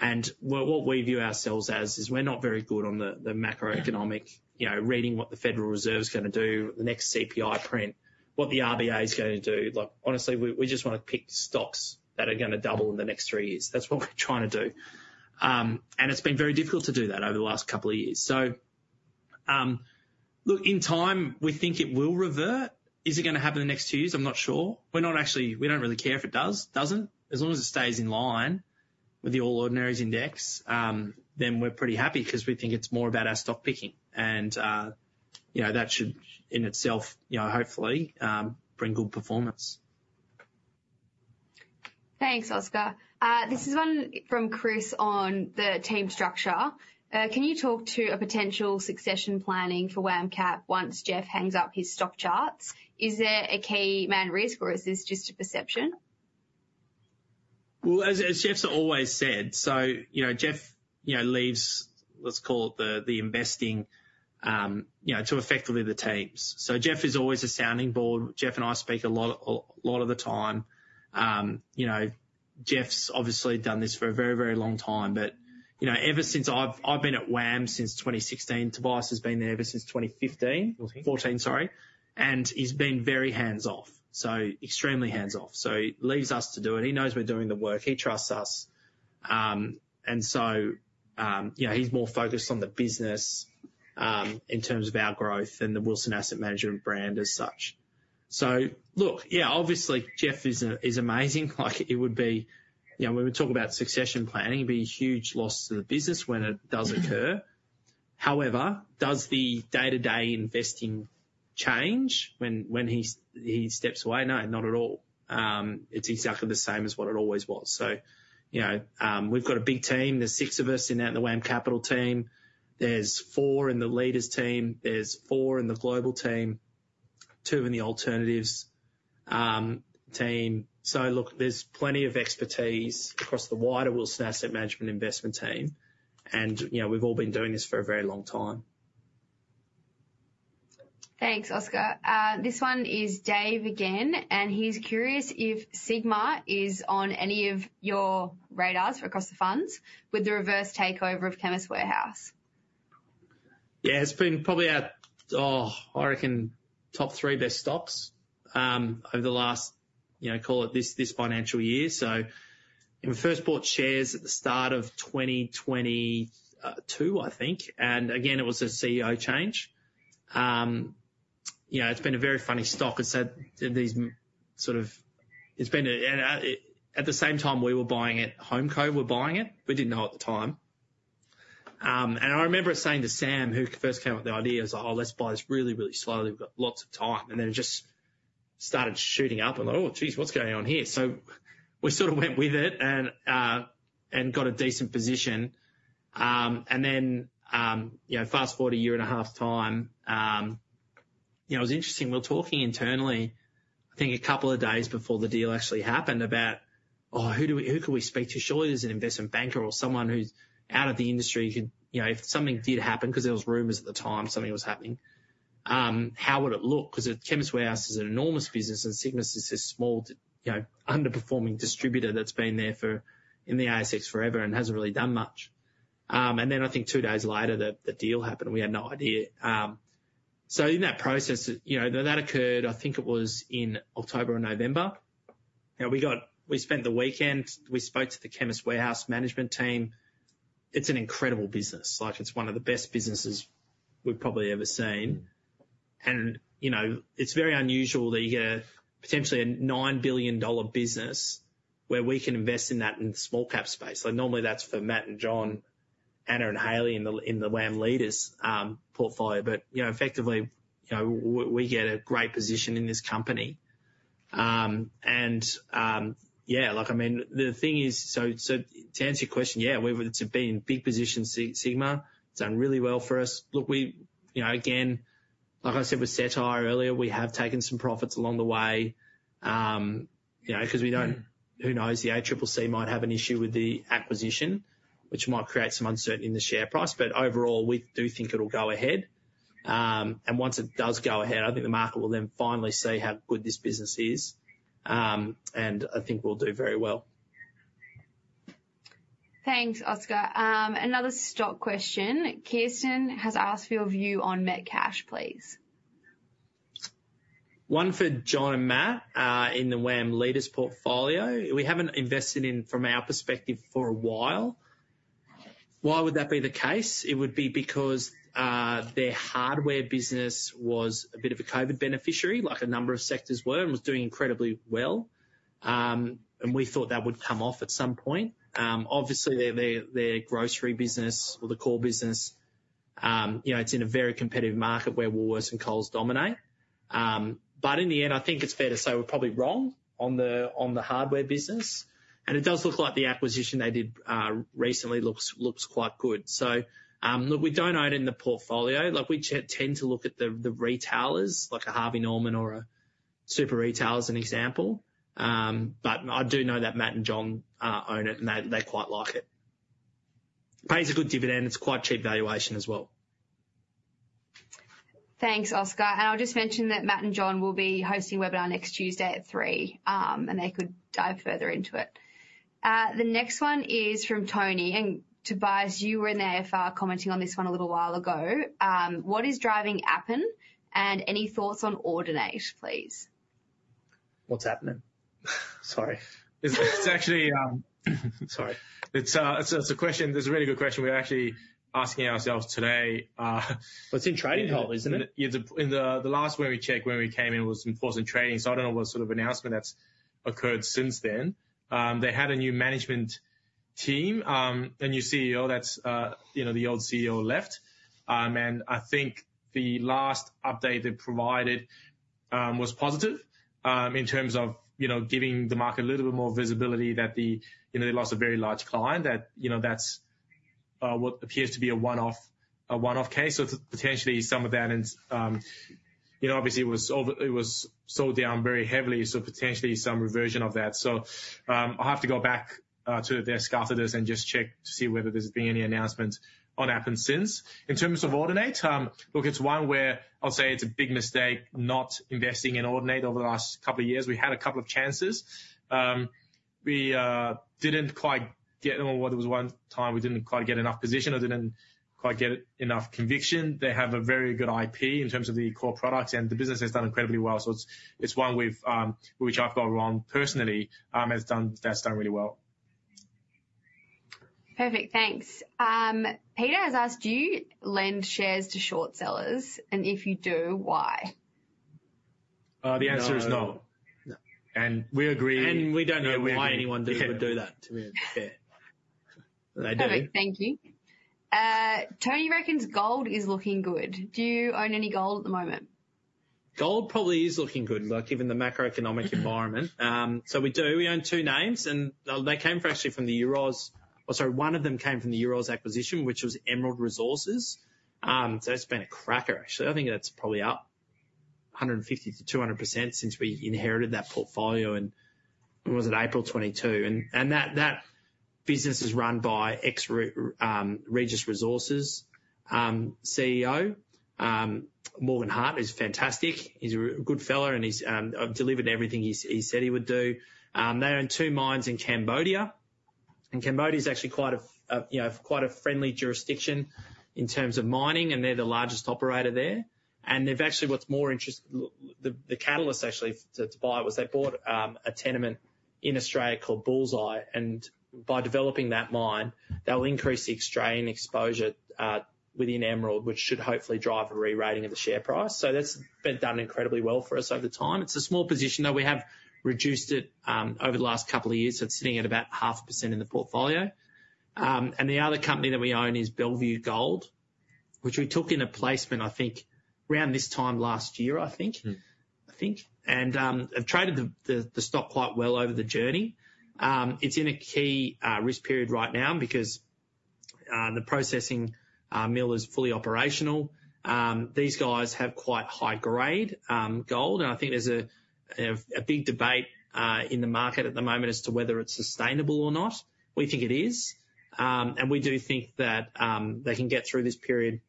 Speaker 1: And what we view ourselves as is we're not very good on the macroeconomic, you know, reading what the Federal Reserve's going to do, the next CPI print, what the RBA's going to do. Like, honestly, we just want to pick stocks that are going to double in the next three years. That's what we're trying to do. It's been very difficult to do that over the last couple of years. Look, in time, we think it will revert. Is it going to happen in the next two years? I'm not sure. We don't really care if it does, doesn't. As long as it stays in line with the All Ordinaries Index, then we're pretty happy because we think it's more about our stock picking. And, you know, that should, in itself, you know, hopefully, bring good performance.
Speaker 3: Thanks, Oscar. This is one from Chris on the team structure. "Can you talk to a potential succession planning for WAM Cap once Geoff hangs up his stock charts? Is there a key man risk? Or is this just a perception?
Speaker 1: Well, as Geoff's always said, so, you know, Geoff leaves, let's call it, the investing, you know, to effectively the teams. So Geoff is always a sounding board. Geoff and I speak a lot of the time. You know, Geoff's obviously done this for a very, very long time. But, you know, ever since I've been at WAM since 2016, Tobias has been there ever since 2015, 2014, sorry, and has been very hands-off, so extremely hands-off. So leaves us to do it. He knows we're doing the work. He trusts us. And so, you know, he's more focused on the business in terms of our growth than the Wilson Asset Management brand as such. So look, yeah, obviously, Geoff is amazing. Like, it would be you know, when we talk about succession planning, it'd be a huge loss to the business when it does occur. However, does the day-to-day investing change when he steps away? No, not at all. It's exactly the same as what it always was. So, you know, we've got a big team. There's six of us in the WAM Capital team. There's four in the Leaders team. There's four in the Global team, two in the Alternatives team. So look, there's plenty of expertise across the wider Wilson Asset Management investment team. And, you know, we've all been doing this for a very long time.
Speaker 3: Thanks, Oscar. This one is Dave again. He's curious if Sigma is on any of your radars across the funds with the reverse takeover of Chemist Warehouse.
Speaker 1: Yeah. It's been probably our, I reckon, top three best stocks over the last, you know, call it, this financial year. So we first bought shares at the start of 2022, I think. And again, it was a CEO change. You know, it's been a very funny stock. It's had these sort of it's been a and at the same time, we were buying it. Homeco were buying it. We didn't know at the time. And I remember saying to Sam, who first came up with the idea, he was like, "Oh, let's buy this really, really slowly. We've got lots of time." And then it just started shooting up. And I thought, "Oh, jeez, what's going on here?" So we sort of went with it and got a decent position. And then, you know, fast forward a year and a half time, you know, it was interesting. We were talking internally, I think, a couple of days before the deal actually happened about, "Oh, who could we speak to? Surely there's an investment banker or someone who's out of the industry who could, you know, if something did happen because there was rumors at the time something was happening, how would it look?" Because Chemist Warehouse is an enormous business. And Sigma's just a small, you know, underperforming distributor that's been there in the ASX forever and hasn't really done much. And then I think two days later, the deal happened. We had no idea. So in that process, you know, that occurred. I think it was in October or November. Now, we spent the weekend. We spoke to the Chemist Warehouse management team. It's an incredible business. Like, it's one of the best businesses we've probably ever seen. You know, it's very unusual that you get a potentially 9 billion dollar business where we can invest in that in the small-cap space. So normally, that's for Matt and John, Anna and Hailey in the WAM Leaders portfolio. But, you know, effectively, you know, we get a great position in this company. And yeah, like, I mean, the thing is, so to answer your question, yeah, it's been big positions, Sigma. It's done really well for us. Look, we, you know, again, like I said with Cettire earlier, we have taken some profits along the way, you know, because we don't, who knows? The ACCC might have an issue with the acquisition, which might create some uncertainty in the share price. But overall, we do think it'll go ahead. And once it does go ahead, I think the market will then finally see how good this business is. I think we'll do very well.
Speaker 3: Thanks, Oscar. Another stock question. Kirsten has asked for your view on Metcash, please.
Speaker 1: One for John and Matt in the WAM Leaders portfolio. We haven't invested in, from our perspective, for a while. Why would that be the case? It would be because their hardware business was a bit of a COVID beneficiary, like a number of sectors were, and was doing incredibly well. And we thought that would come off at some point. Obviously, their grocery business or the core business, you know, it's in a very competitive market where Woolworths and Coles dominate. But in the end, I think it's fair to say we're probably wrong on the hardware business. And it does look like the acquisition they did recently looks quite good. So look, we don't own it in the portfolio. Like, we tend to look at the retailers, like a Harvey Norman or a Super Retail as an example. But I do know that Matt and John own it. They quite like it. Pays a good dividend. It's quite cheap valuation as well.
Speaker 3: Thanks, Oscar. I'll just mention that Matt and John will be hosting a webinar next Tuesday at 3:00 P.M. They could dive further into it. The next one is from Tony. Tobias, you were in the AFR commenting on this one a little while ago. "What is driving Appen? And any thoughts on Audinate, please?
Speaker 1: What's happening? Sorry.
Speaker 2: It's actually. It's a question. It's a really good question. We're actually asking ourselves today.
Speaker 1: It's in trading halt, isn't it?
Speaker 2: Yeah. The last one we checked when we came in was Imports and Trading. So I don't know what sort of announcement that's occurred since then. They had a new management team, a new CEO that's, you know, the old CEO left. And I think the last update they provided was positive in terms of, you know, giving the market a little bit more visibility that the, you know, they lost a very large client. That, you know, that's what appears to be a one-off case. So potentially, some of that and, you know, obviously, it was sold down very heavily. So potentially, some reversion of that. So I'll have to go back to their scaffolders and just check to see whether there's been any announcements on Appen since. In terms of Audinate, look, it's one where I'll say it's a big mistake not investing in Audinate over the last couple of years. We had a couple of chances. We didn't quite get, I don't know what it was, one time. We didn't quite get enough position. I didn't quite get enough conviction. They have a very good IP in terms of the core products. And the business has done incredibly well. So it's one with which I've got wrong, personally, that's done really well.
Speaker 3: Perfect. Thanks. Peter has asked, "Do you lend shares to short sellers? And if you do, why?
Speaker 2: The answer is no. We agree.
Speaker 1: We don't know why anyone would do that, to be fair.
Speaker 2: They do.
Speaker 3: Perfect. Thank you. "Tony reckons gold is looking good. Do you own any gold at the moment?
Speaker 1: Gold probably is looking good, like, given the macroeconomic environment. So we do. We own two names. And they came actually from the Euroz, oh, sorry. One of them came from the Euroz acquisition, which was Emerald Resources. So it's been a cracker, actually. I think that's probably up 150%-200% since we inherited that portfolio. And was it April 2022? And that business is run by ex-Regis Resources CEO. Morgan Hart is fantastic. He's a good fellow. And he's delivered everything he said he would do. They own two mines in Cambodia. And Cambodia is actually quite a, you know, quite a friendly jurisdiction in terms of mining. And they're the largest operator there. And they've actually, what's more interesting, the catalyst, actually, to buy it was they bought a tenement in Australia called Bullseye. By developing that mine, that will increase the Australian exposure within Emerald, which should hopefully drive a rerating of the share price. So that's been done incredibly well for us over time. It's a small position, though. We have reduced it over the last couple of years. It's sitting at about 0.5% in the portfolio. And the other company that we own is Bellevue Gold, which we took in a placement, I think, around this time last year, I think, I think, and have traded the stock quite well over the journey. It's in a key risk period right now because the processing mill is fully operational. These guys have quite high-grade gold. And I think there's a big debate in the market at the moment as to whether it's sustainable or not. We think it is. We do think that they can get through this period,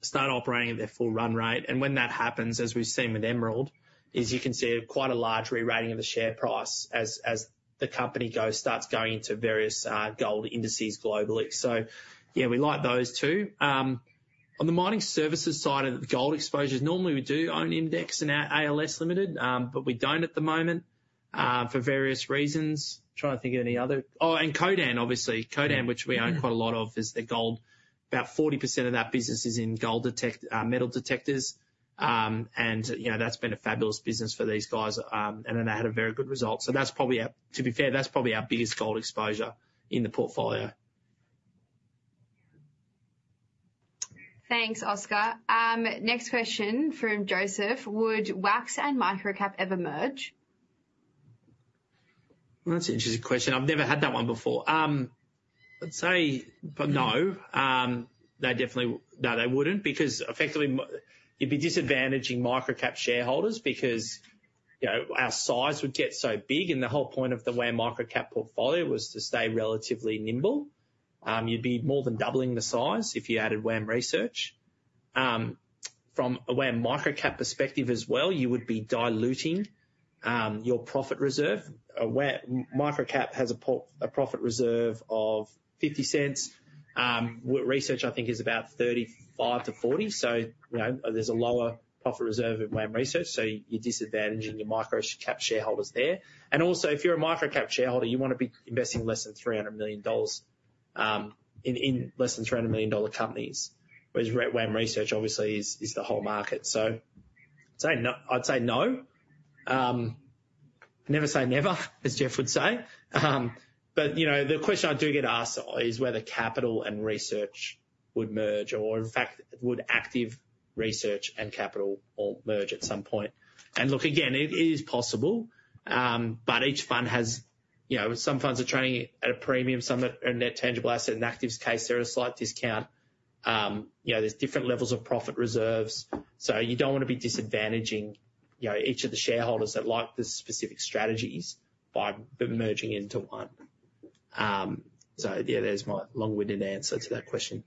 Speaker 1: start operating at their full run rate. And when that happens, as we've seen with Emerald, is you can see quite a large rerating of the share price as the company starts going into various gold indices globally. So yeah, we like those two. On the mining services side of the gold exposures, normally, we do own Imdex and ALS Limited. But we don't at the moment for various reasons. Trying to think of any other oh, and Codan, obviously. Codan, which we own quite a lot of, is their gold. About 40% of that business is in gold metal detectors. And, you know, that's been a fabulous business for these guys. And then they had a very good result. So that's probably to be fair, that's probably our biggest gold exposure in the portfolio.
Speaker 3: Thanks, Oscar. Next question from Joseph. "Would WAX and Microcap ever merge?
Speaker 1: That's an interesting question. I've never had that one before. I'd say no. They definitely no, they wouldn't because effectively, you'd be disadvantaging Microcap shareholders because, you know, our size would get so big. And the whole point of the WAM Microcap portfolio was to stay relatively nimble. You'd be more than doubling the size if you added WAM Research. From a WAM Microcap perspective as well, you would be diluting your profit reserve. Microcap has a profit reserve of 0.50. Research, I think, is about 35%-40%. So, you know, there's a lower profit reserve in WAM Research. So you're disadvantaging your Microcap shareholders there. And also, if you're a Microcap shareholder, you want to be investing less than 300 million dollars in less than 300 million dollar companies, whereas WAM Research, obviously, is the whole market. So I'd say no. Never say never, as Geoff would say. But, you know, the question I do get asked is whether capital and research would merge or, in fact, would active research and capital all merge at some point. And look, again, it is possible. But each fund has, you know, some funds are trading at a premium, some are a net tangible asset. In Active's case, there are a slight discount. You know, there's different levels of profit reserves. So you don't want to be disadvantaging, you know, each of the shareholders that like the specific strategies by merging into one. So yeah, there's my long-winded answer to that question.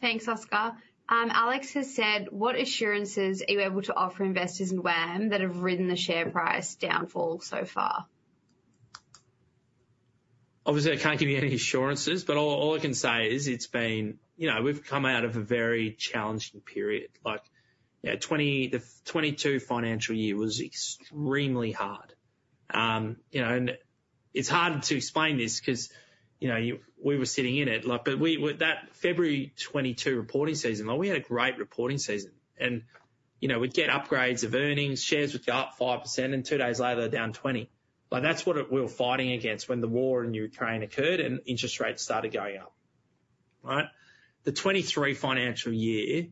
Speaker 3: Thanks, Oscar. "Alex has said, 'What assurances are you able to offer investors in WAM that have ridden the share price downfall so far?'
Speaker 1: Obviously, I can't give you any assurances. But all I can say is it's been, you know, we've come out of a very challenging period. Like, yeah, 2022 financial year was extremely hard. You know, and it's hard to explain this because, you know, we were sitting in it. Like, but that February 2022 reporting season, like, we had a great reporting season. And, you know, we'd get upgrades of earnings. Shares would go up 5%. And two days later, they're down 20%. Like, that's what we were fighting against when the war in Ukraine occurred and interest rates started going up, right? The 2023 financial year,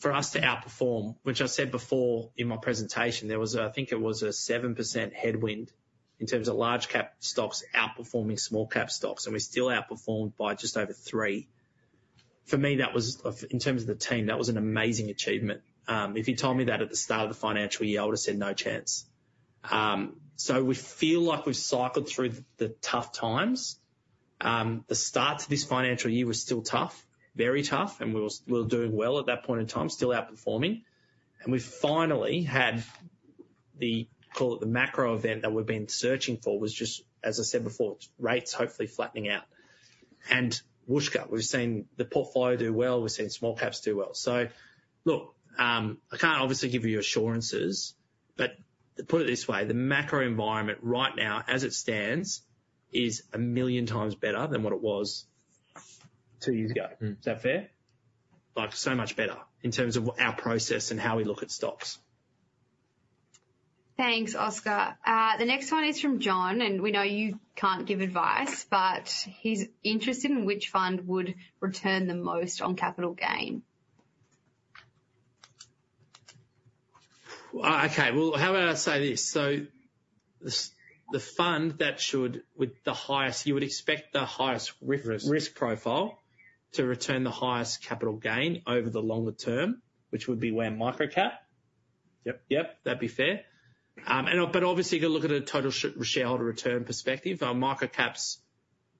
Speaker 1: for us to outperform, which I said before in my presentation, there was a I think it was a 7% headwind in terms of large-cap stocks outperforming small-cap stocks. And we still outperformed by just over 3%. For me, that was in terms of the team, that was an amazing achievement. If you told me that at the start of the financial year, I would have said no chance. We feel like we've cycled through the tough times. The start to this financial year was still tough, very tough. We were doing well at that point in time, still outperforming. We finally had the call it the macro event that we've been searching for was just, as I said before, rates hopefully flattening out. Whooshka. We've seen the portfolio do well. We've seen small-caps do well. Look, I can't obviously give you assurances. Put it this way, the macro environment right now, as it stands, is a million times better than what it was two years ago. Is that fair? Like, so much better in terms of our process and how we look at stocks.
Speaker 3: Thanks, Oscar. The next one is from John. We know you can't give advice. He's interested in which fund would return the most on capital gain.
Speaker 1: Okay. Well, how about I say this? So the fund that should with the highest you would expect the highest risk profile to return the highest capital gain over the longer term, which would be WAM Microcap. Yep, yep. That'd be fair. But obviously, if you look at a total shareholder return perspective, Microcap's,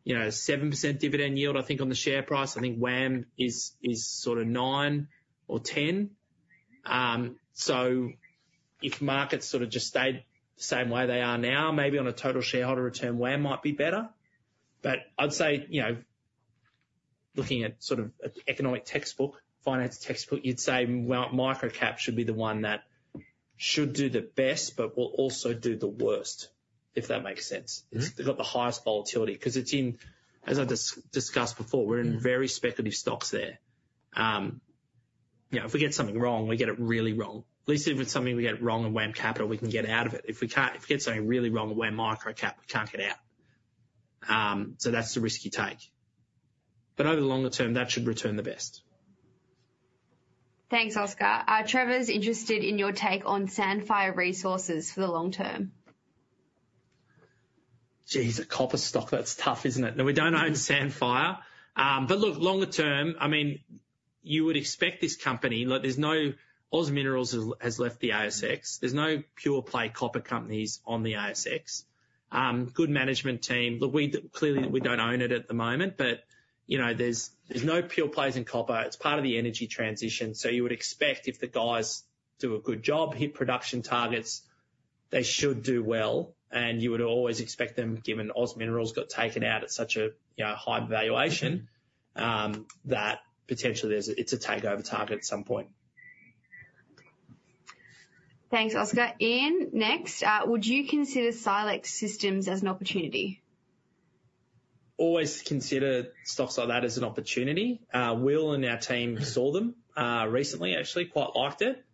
Speaker 1: you know, 7% dividend yield, I think, on the share price. I think WAM is sort of 9% or 10%. So if markets sort of just stayed the same way they are now, maybe on a total shareholder return, WAM might be better. But I'd say, you know, looking at sort of an economic textbook, finance textbook, you'd say Microcap should be the one that should do the best but will also do the worst, if that makes sense. It's got the highest volatility because it's in, as I've discussed before, we're in very speculative stocks there. You know, if we get something wrong, we get it really wrong. At least if it's something we get wrong in WAM Capital, we can get out of it. If we get something really wrong in WAM Microcap, we can't get out. So that's the risk you take. But over the longer term, that should return the best.
Speaker 3: Thanks, Oscar. "Trevor's interested in your take on Sandfire Resources for the long term.
Speaker 1: Geez, a copper stock. That's tough, isn't it? No, we don't own Sandfire. But look, longer term, I mean, you would expect this company look, there's no OZ Minerals has left the ASX. There's no pure-play copper companies on the ASX. Good management team. Look, clearly, we don't own it at the moment. But, you know, there's no pure-plays in copper. It's part of the energy transition. So you would expect if the guys do a good job, hit production targets, they should do well. And you would always expect them, given OZ Minerals got taken out at such a high valuation, that potentially, it's a takeover target at some point.
Speaker 3: Thanks, Oscar. "Ian, next. Would you consider Silex Systems as an opportunity?
Speaker 1: Always consider stocks like that as an opportunity. Will and our team saw them recently, actually, quite liked it.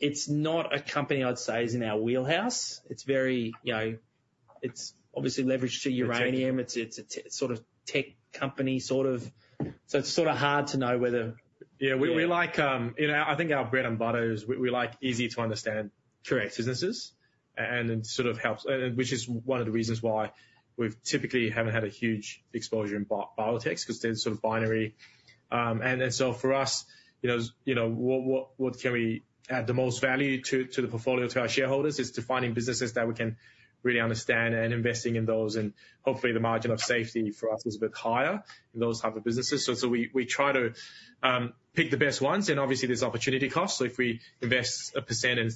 Speaker 1: It's not a company, I'd say, is in our wheelhouse. It's very, you know, it's obviously leveraged to uranium. It's a sort of tech company sort of. So it's sort of hard to know whether.
Speaker 2: Yeah. We like – in our – I think our bread and butter is we like easy-to-understand, correct businesses. And it sort of helps, which is one of the reasons why we typically haven't had a huge exposure in biotechs because they're sort of binary. And so for us, you know, what can we add the most value to the portfolio, to our shareholders, is to finding businesses that we can really understand and investing in those. And hopefully, the margin of safety for us is a bit higher in those type of businesses. So we try to pick the best ones. And obviously, there's opportunity cost. So if we invest 1% in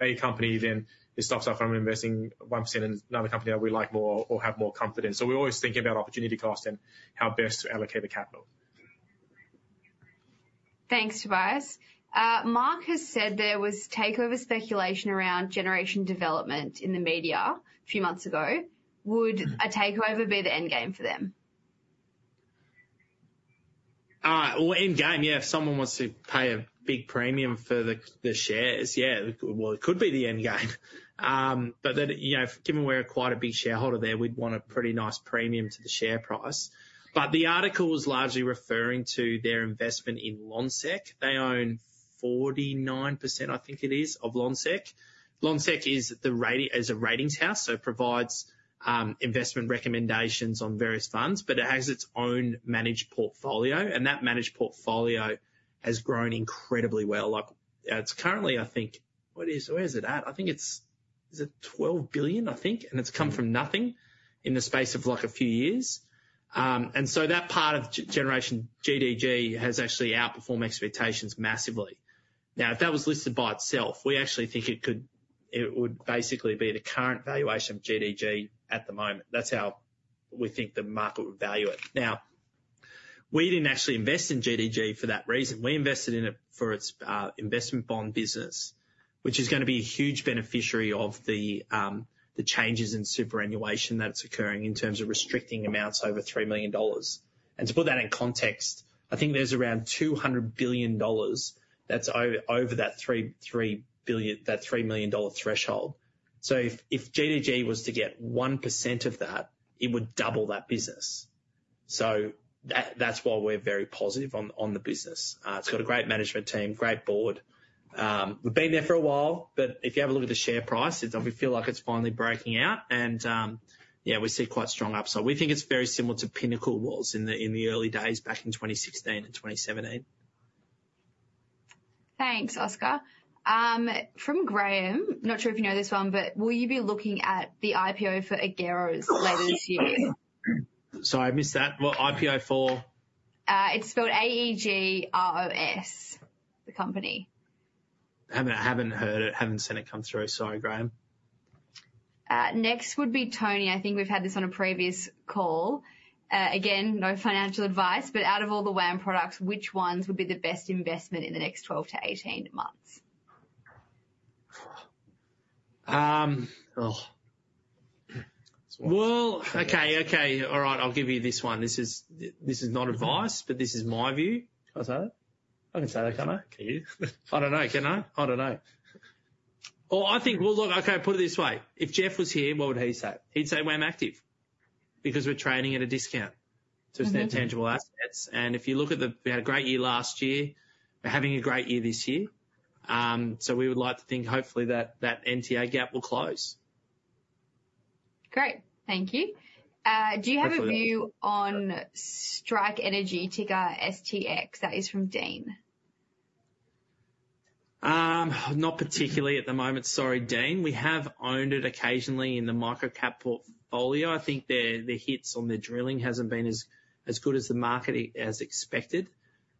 Speaker 2: a company, then it stops us from investing 1% in another company that we like more or have more confidence. So we're always thinking about opportunity cost and how best to allocate the capital.
Speaker 3: Thanks, Tobias. "Mark has said there was takeover speculation around Generation Development Group in the media a few months ago. Would a takeover be the endgame for them?
Speaker 1: Well, endgame, yeah, if someone wants to pay a big premium for the shares, yeah. Well, it could be the endgame. But then, you know, given we're quite a big shareholder there, we'd want a pretty nice premium to the share price. But the article was largely referring to their investment in Lonsec. They own 49%, I think it is, of Lonsec. Lonsec is a ratings house. So it provides investment recommendations on various funds. But it has its own managed portfolio. And that managed portfolio has grown incredibly well. Like, it's currently, I think what is it at? I think it's 12 billion, I think? And it's come from nothing in the space of, like, a few years. And so that part of Generation GDG has actually outperformed expectations massively. Now, if that was listed by itself, we actually think it would basically be the current valuation of GDG at the moment. That's how we think the market would value it. Now, we didn't actually invest in GDG for that reason. We invested in it for its investment bond business, which is going to be a huge beneficiary of the changes in superannuation that's occurring in terms of restricting amounts over 3 million dollars. To put that in context, I think there's around 200 billion dollars that's over that 3 million dollar threshold. So if GDG was to get 1% of that, it would double that business. So that's why we're very positive on the business. It's got a great management team, great board. We've been there for a while. But if you have a look at the share price, we feel like it's finally breaking out. Yeah, we see quite strong upside. We think it's very similar to Pinnacle was in the early days back in 2016 and 2017.
Speaker 3: Thanks, Oscar. "From Graham, not sure if you know this one, but will you be looking at the IPO for Aegros later this year?
Speaker 1: Sorry, I missed that. What, IPO for?
Speaker 3: It's spelled A-E-G-R-O-S, the company.
Speaker 1: Haven't heard it. Haven't seen it come through. Sorry, Graham.
Speaker 3: Next would be Tony. I think we've had this on a previous call. Again, no financial advice. But out of all the WAM products, which ones would be the best investment in the next 12-18 months?
Speaker 1: Well, okay, okay. All right. I'll give you this one. This is not advice. But this is my view.
Speaker 2: Can I say that? I can say that, can I?
Speaker 1: Can you?
Speaker 2: I don't know. Can I? I don't know.
Speaker 1: Well, I think well, look, okay, put it this way. If Geoff was here, what would he say? He'd say WAM Active because we're trading at a discount. So it's net tangible assets. And if you look at the we had a great year last year. We're having a great year this year. So we would like to think, hopefully, that NTA gap will close.
Speaker 3: Great. Thank you. Do you have a view on Strike Energy ticker STX? That is from Dean.
Speaker 1: Not particularly at the moment. Sorry, Dean. We have owned it occasionally in the Microcap portfolio. I think their hits on their drilling hasn't been as good as the market has expected.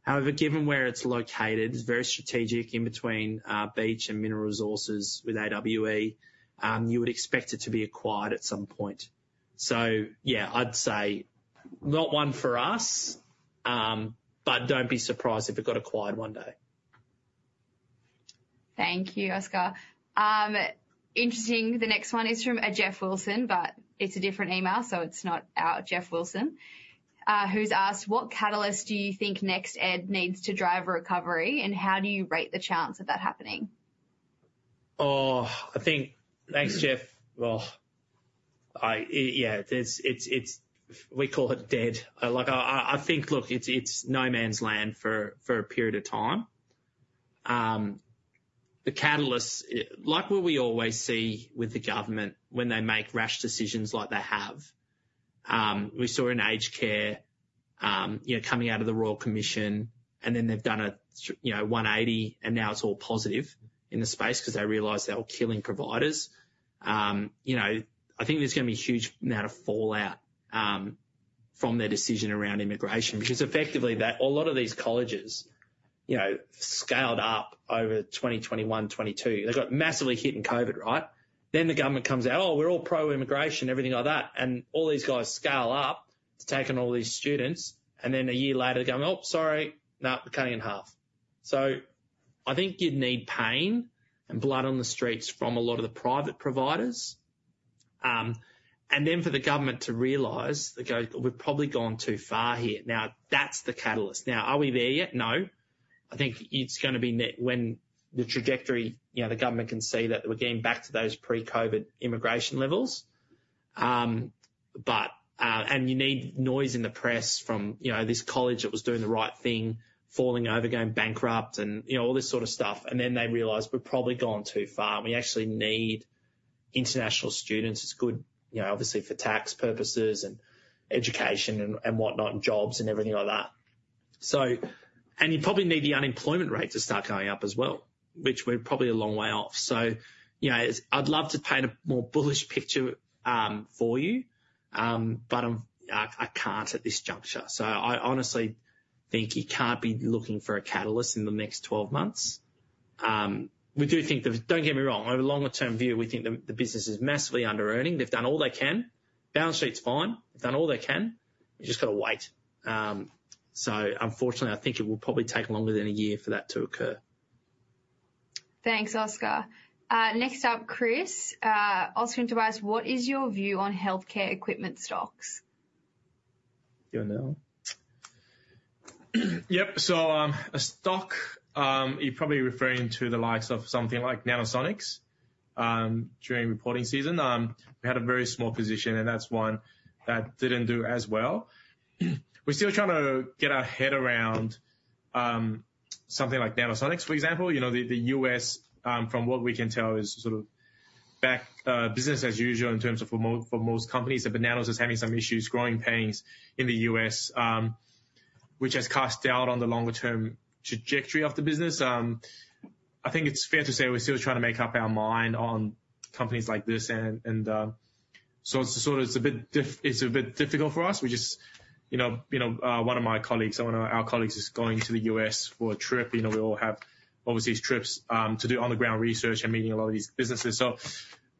Speaker 1: However, given where it's located, it's very strategic in between Beach and Mineral Resources with AWE. You would expect it to be acquired at some point. So yeah, I'd say not one for us. But don't be surprised if it got acquired one day.
Speaker 3: Thank you, Oscar. Interesting. The next one is from Geoff Wilson. But it's a different email. So it's not our Geoff Wilson, who's asked, "What catalyst do you think NextEd needs to drive recovery? And how do you rate the chance of that happening?
Speaker 1: Oh, I think, thanks, Geoff. Well, yeah, it's what we call it dead. Like, I think, look, it's no man's land for a period of time. The catalyst, like what we always see with the government when they make rash decisions like they have, we saw in aged care, you know, coming out of the Royal Commission. And then they've done a 180. And now it's all positive in the space because they realize they're killing providers. You know, I think there's going to be a huge amount of fallout from their decision around immigration because effectively, a lot of these colleges, you know, scaled up over 2021, 2022. They got massively hit in COVID, right? Then the government comes out, "Oh, we're all pro-immigration, everything like that." And all these guys scale up to take in all these students. And then a year later, they go, "Oh, sorry. No, we're cutting in half." So I think you'd need pain and blood on the streets from a lot of the private providers. And then for the government to realize that, "Guys, we've probably gone too far here." Now, that's the catalyst. Now, are we there yet? No. I think it's going to be not when the trajectory, you know, the government can see that we're getting back to those pre-COVID immigration levels. And you need noise in the press from, you know, this college that was doing the right thing falling over, going bankrupt, and, you know, all this sort of stuff. And then they realize, "We've probably gone too far. And we actually need international students." It's good, you know, obviously, for tax purposes and education and whatnot and jobs and everything like that. And you probably need the unemployment rate to start going up as well, which we're probably a long way off. So, you know, I'd love to paint a more bullish picture for you. But I can't at this juncture. So I honestly think you can't be looking for a catalyst in the next 12 months. We do think. Don't get me wrong. Over the longer-term view, we think the business is massively under-earning. They've done all they can. Balance sheet's fine. They've done all they can. We've just got to wait. So unfortunately, I think it will probably take longer than a year for that to occur.
Speaker 3: Thanks, Oscar. Next up, Chris. "Oscar, Tobias, what is your view on healthcare equipment stocks?
Speaker 1: Do you want to know?
Speaker 2: Yep. So a stock you're probably referring to the likes of something like Nanosonics during reporting season. We had a very small position. And that's one that didn't do as well. We're still trying to get our head around something like Nanosonics, for example. You know, the U.S., from what we can tell, is sort of back business as usual in terms of for most companies. But Nanosonics is having some issues, growing pains in the U.S., which has cast doubt on the longer-term trajectory of the business. I think it's fair to say we're still trying to make up our mind on companies like this. And so it's sort of a bit difficult for us. We just, you know, one of my colleagues or one of our colleagues is going to the U.S. for a trip. You know, we all have overseas trips to do on-the-ground research and meeting a lot of these businesses. So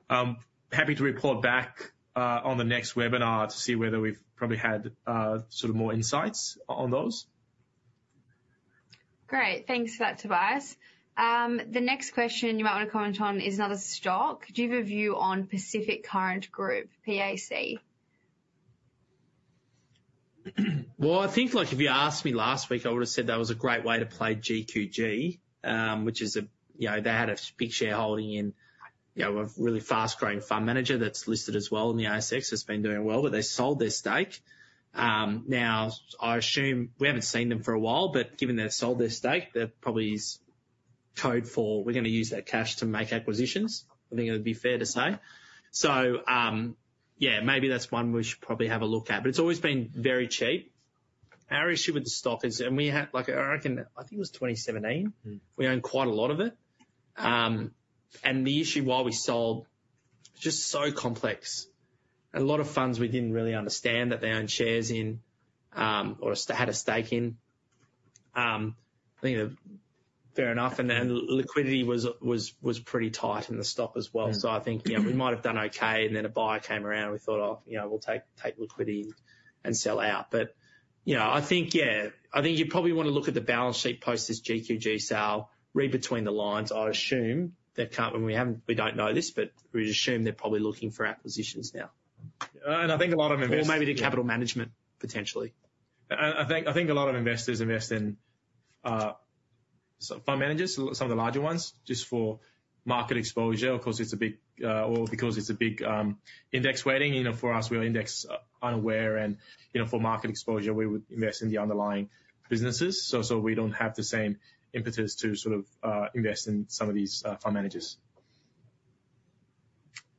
Speaker 2: happy to report back on the next webinar to see whether we've probably had sort of more insights on those.
Speaker 3: Great. Thanks for that, Tobias. The next question you might want to comment on is another stock. "Do you have a view on Pacific Current Group, PAC?
Speaker 1: Well, I think, like, if you asked me last week, I would have said that was a great way to play GQG, which is a, you know, they had a big shareholding in, you know, a really fast-growing fund manager that's listed as well in the ASX that's been doing well. But they sold their stake. Now, I assume we haven't seen them for a while. But given they've sold their stake, that probably is code for, "We're going to use that cash to make acquisitions." I think it would be fair to say. So yeah, maybe that's one we should probably have a look at. But it's always been very cheap. Our issue with the stock is and we had, like, I think it was 2017. We owned quite a lot of it. And the issue while we sold, it's just so complex. A lot of funds, we didn't really understand that they owned shares in or had a stake in. I think fair enough. Liquidity was pretty tight in the stock as well. So I think, yeah, we might have done okay. Then a buyer came around. We thought, "Oh, you know, we'll take liquidity and sell out." But, you know, I think, yeah, I think you probably want to look at the balance sheet post this GQG sale, read between the lines. I assume they can't when we haven't we don't know this. But we'd assume they're probably looking for acquisitions now.
Speaker 2: I think a lot of investors--
Speaker 1: Or maybe to capital management, potentially.
Speaker 2: I think a lot of investors invest in fund managers, some of the larger ones, just for market exposure. Of course, it's a big or because it's a big index weighting. You know, for us, we're index unaware. You know, for market exposure, we would invest in the underlying businesses. We don't have the same impetus to sort of invest in some of these fund managers.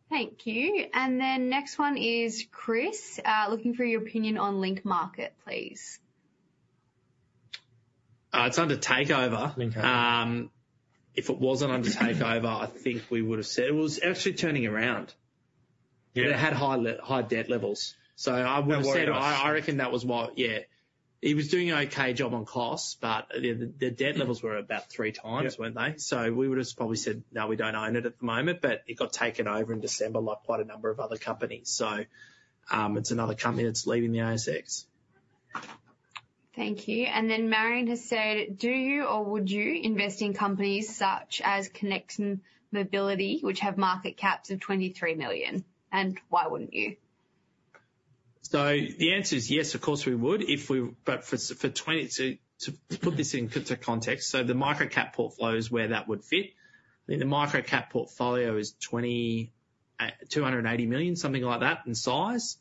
Speaker 3: Thank you. And then next one is Chris looking for your opinion on Link Market, please.
Speaker 1: It's under takeover. If it wasn't under takeover, I think we would have said it was actually turning around. But it had high debt levels. So I would have said, "I reckon that was why yeah, it was doing an okay job on costs. But the debt levels were about 3x, weren't they?" So we would have probably said, "No, we don't own it at the moment. But it got taken over in December, like quite a number of other companies." So it's another company that's leaving the ASX.
Speaker 3: Thank you. And then Marion has said, "Do you or would you invest in companies such as Connexion Mobility, which have market caps of 23 million? And why wouldn't you?
Speaker 1: So the answer is yes, of course, we would. But to put this into context, so the Microcap portfolio is where that would fit. I think the Microcap portfolio is 280 million, something like that in size.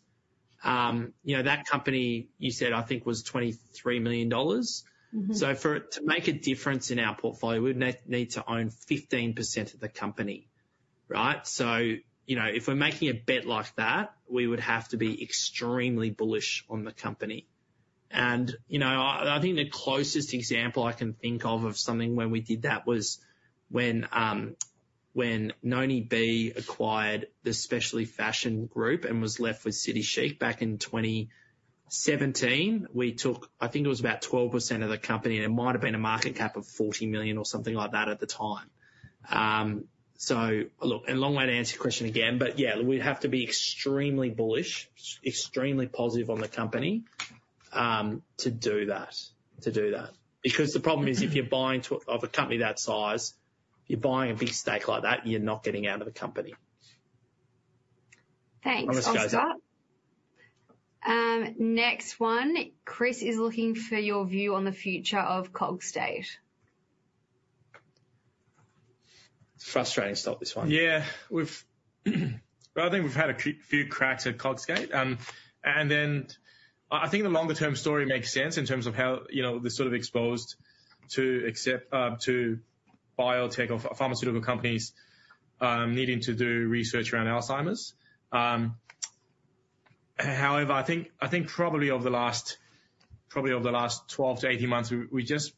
Speaker 1: You know, that company, you said, I think was 23 million dollars. So to make a difference in our portfolio, we'd need to own 15% of the company, right? So, you know, if we're making a bet like that, we would have to be extremely bullish on the company. And, you know, I think the closest example I can think of of something when we did that was when Noni B acquired the Specialty Fashion Group and was left with City Chic back in 2017. We took, I think it was about 12% of the company. It might have been a market cap of 40 million or something like that at the time. So look, a long way to answer your question again. But yeah, we'd have to be extremely bullish, extremely positive on the company to do that, to do that. Because the problem is if you're buying into a company that size, if you're buying a big stake like that, you're not getting out of the company.
Speaker 3: Thanks, Oscar. Next one, Chris is looking for your view on the future of Cogstate?
Speaker 1: It's a frustrating stock, this one.
Speaker 2: Yeah. I think we've had a few cracks at Cogstate. And then I think the longer-term story makes sense in terms of how, you know, they're sort of exposed to biotech or pharmaceutical companies needing to do research around Alzheimer's. However, I think probably over the last 12-18 months, we just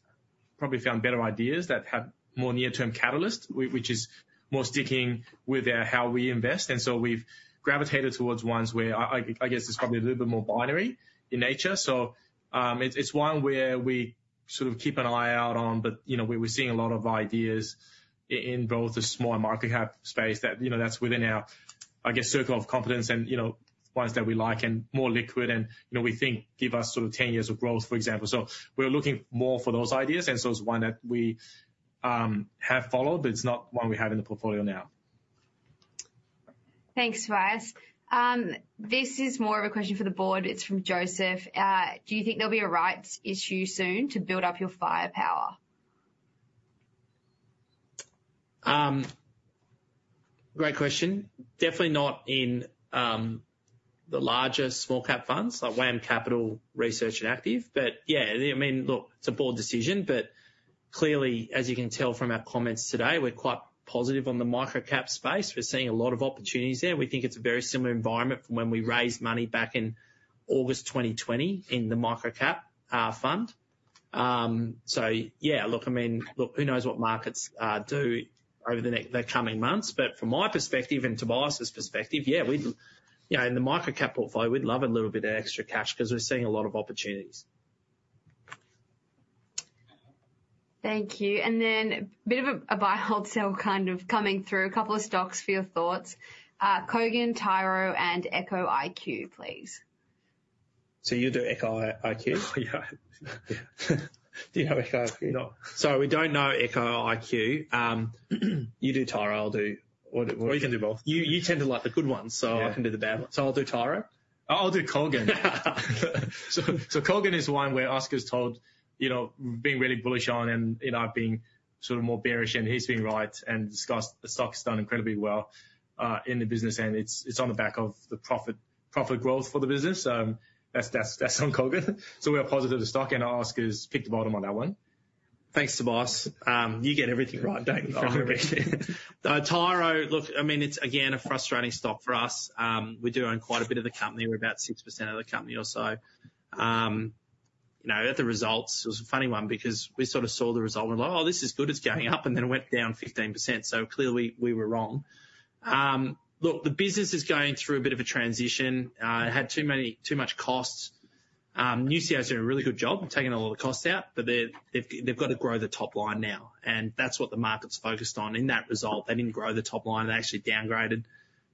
Speaker 2: probably found better ideas that had more near-term catalyst, which is more sticking with how we invest. And so we've gravitated towards ones where, I guess, it's probably a little bit more binary in nature. So it's one where we sort of keep an eye out on. But, you know, we're seeing a lot of ideas in both the smaller market cap space that, you know, that's within our, I guess, circle of confidence and, you know, ones that we like and more liquid. You know, we think give us sort of 10 years of growth, for example. We're looking more for those ideas. It's one that we have followed. It's not one we have in the portfolio now.
Speaker 3: Thanks, Tobias. This is more of a question for the board. It's from Joseph. "Do you think there'll be a rights issue soon to build up your firepower?
Speaker 2: Great question. Definitely not in the larger small-cap funds like WAM Capital, Research, and Active. But yeah, I mean, look, it's a board decision. But clearly, as you can tell from our comments today, we're quite positive on the microcap space. We're seeing a lot of opportunities there. We think it's a very similar environment from when we raised money back in August 2020 in the microcap fund. So yeah, look, I mean, look, who knows what markets do over the coming months? But from my perspective and Tobias's perspective, yeah, we'd, you know, in the microcap portfolio, we'd love a little bit of extra cash because we're seeing a lot of opportunities.
Speaker 3: Thank you. Then a bit of a buy-hold-sell kind of coming through, a couple of stocks for your thoughts. Kogan, Tyro, and EchoIQ, please.
Speaker 1: You do EchoIQ?
Speaker 2: Yeah.
Speaker 1: Do you know EchoIQ?
Speaker 2: No.
Speaker 1: Sorry, we don't know EchoIQ. You do Tyro. I'll do.
Speaker 2: Well, you can do both.
Speaker 1: You tend to like the good ones. So I can do the bad ones. So I'll do Tyro.
Speaker 2: I'll do Cogstate. So Cogstate is one where Oscar's told, you know, being really bullish on and, you know, being sort of more bearish. And he's been right. And this guy's the stock has done incredibly well in the business. And it's on the back of the profit growth for the business. So that's on Cogstate. So we are positive of the stock. And Oscar's picked the bottom on that one.
Speaker 1: Thanks, Tobias. You get everything right, don't you?
Speaker 2: I reckon.
Speaker 1: Tyro, look, I mean, it's, again, a frustrating stock for us. We do own quite a bit of the company. We're about 6% of the company or so. You know, at the results, it was a funny one because we sort of saw the result. We're like, "Oh, this is good. It's going up." And then it went down 15%. So clearly, we were wrong. Look, the business is going through a bit of a transition. It had too much costs. New CSO did a really good job taking a lot of costs out. But they've got to grow the top line now. And that's what the market's focused on in that result. They didn't grow the top line. They actually downgraded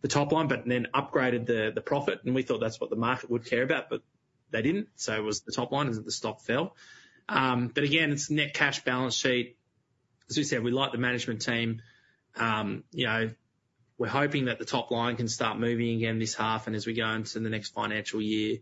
Speaker 1: the top line but then upgraded the profit. And we thought that's what the market would care about. But they didn't. It was the top line as the stock fell. Again, it's net cash balance sheet. As we said, we like the management team. You know, we're hoping that the top line can start moving again this half and as we go into the next financial year.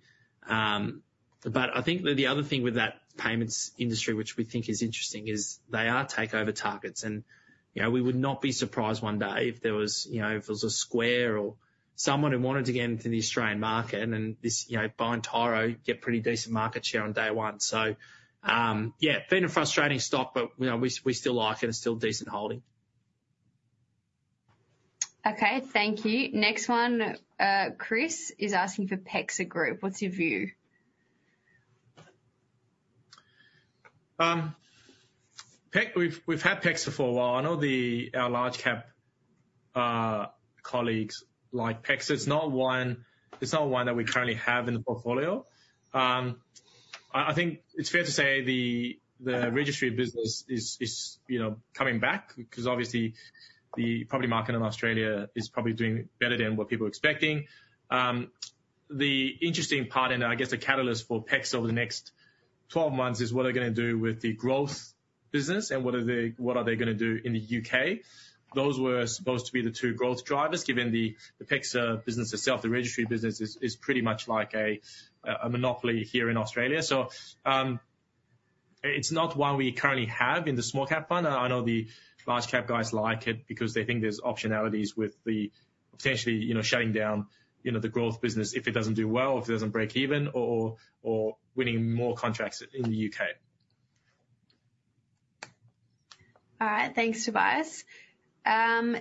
Speaker 1: I think that the other thing with that payments industry, which we think is interesting, is they are takeover targets. You know, we would not be surprised one day if there was, you know, if there was a Square or someone who wanted to get into the Australian market. This, you know, buying Tyro, get pretty decent market share on day one. Yeah, been a frustrating stock. You know, we still like it. It's still decent holding.
Speaker 3: Okay. Thank you. Next one, Chris is asking for PEXA Group. What's your view?
Speaker 2: We've had PEXA for a while. I know our large-cap colleagues like PEXA. It's not one that we currently have in the portfolio. I think it's fair to say the registry business is, you know, coming back because obviously, the property market in Australia is probably doing better than what people are expecting. The interesting part and I guess the catalyst for PEXA over the next 12 months is what are they going to do with the growth business and what are they going to do in the U.K. Those were supposed to be the two growth drivers given the PEXA business itself. The registry business is pretty much like a monopoly here in Australia. So it's not one we currently have in the small-cap fund. I know the large-cap guys like it because they think there's optionalities with the potentially, you know, shutting down, you know, the growth business if it doesn't do well, if it doesn't break even, or winning more contracts in the U.K.
Speaker 3: All right. Thanks, Tobias.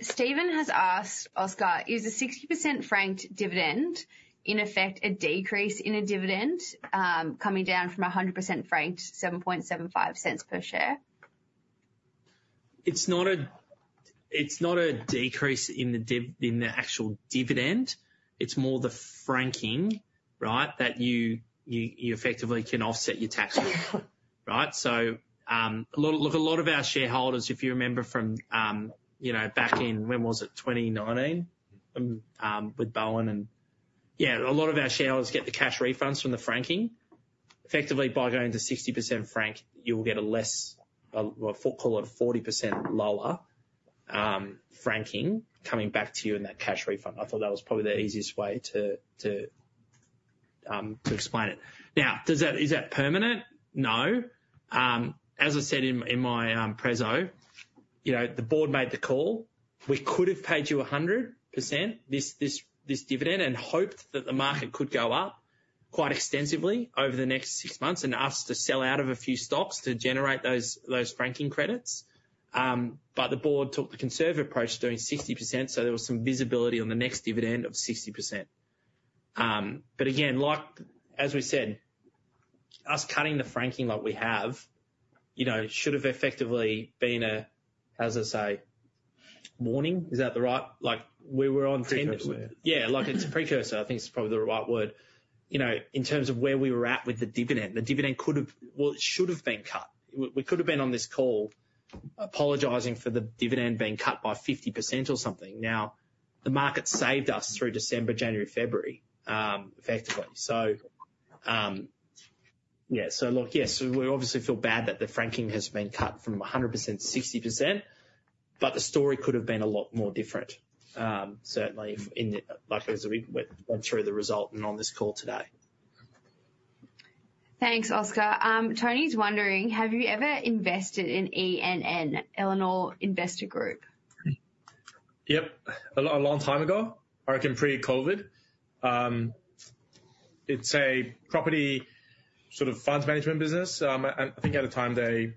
Speaker 3: Stephen has asked Oscar, "Is a 60% franked dividend, in effect, a decrease in a dividend coming down from 100% franked 0.0775 per share?
Speaker 1: It's not a decrease in the actual dividend. It's more the franking, right, that you effectively can offset your tax with, right? So look, a lot of our shareholders, if you remember from, you know, back in when was it? 2019 with Bowen. And yeah, a lot of our shareholders get the cash refunds from the franking. Effectively, by going to 60% frank, you'll get a less, what we call it, a 40% lower franking coming back to you in that cash refund. I thought that was probably the easiest way to explain it. Now, is that permanent? No. As I said in my presentation, you know, the board made the call. We could have paid you 100% this dividend and hoped that the market could go up quite extensively over the next six months and have to sell out of a few stocks to generate those franking credits. The board took the conservative approach doing 60%. There was some visibility on the next dividend of 60%. But again, like as we said, us cutting the franking like we have, you know, should have effectively been a, how does it say? Warning? Is that the right? Like--
Speaker 2: We were on 10%.
Speaker 1: Yeah, like it's a precursor. I think it's probably the right word. You know, in terms of where we were at with the dividend, the dividend could have well, it should have been cut. We could have been on this call apologizing for the dividend being cut by 50% or something. Now, the market saved us through December, January, February, effectively. So yeah, so look, yes, we obviously feel bad that the franking has been cut from 100%-60%. But the story could have been a lot more different, certainly, like as we went through the result and on this call today.
Speaker 3: Thanks, Oscar. Tony's wondering, "Have you ever invested in ENN, Elanor Investors Group?
Speaker 2: Yep, a long time ago, I reckon, pre-COVID. It's a property sort of funds management business. I think at the time, they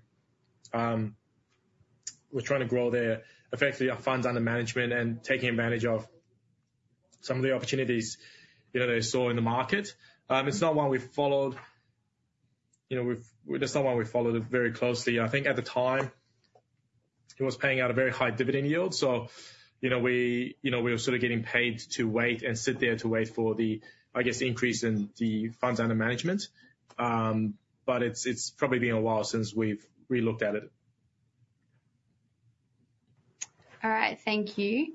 Speaker 2: were trying to grow their effectively funds under management and taking advantage of some of the opportunities, you know, they saw in the market. It's not one we've followed. You know, it's not one we've followed very closely. I think at the time, it was paying out a very high dividend yield. So, you know, we were sort of getting paid to wait and sit there to wait for the, I guess, increase in the funds under management. But it's probably been a while since we've relooked at it.
Speaker 3: All right. Thank you.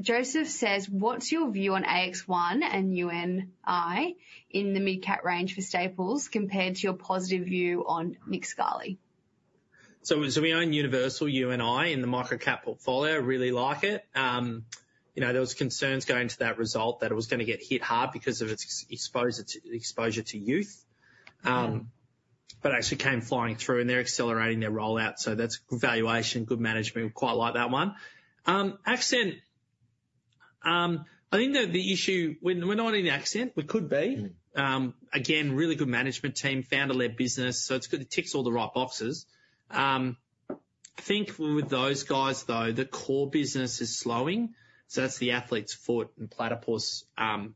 Speaker 3: Joseph says, "What's your view on AX1 and UNI in the mid-cap range for staples compared to your positive view on Nick Scali?
Speaker 1: So we own Universal, UNI in the microcap portfolio. Really like it. You know, there was concerns going into that result that it was going to get hit hard because of its exposure to youth. But actually came flying through. And they're accelerating their rollout. So that's good valuation, good management. We quite like that one. Accent, I think that the issue we're not in Accent. We could be. Again, really good management team, founder-led business. So it ticks all the right boxes. I think with those guys, though, the core business is slowing. So that's the Athlete's Foot and Platypus and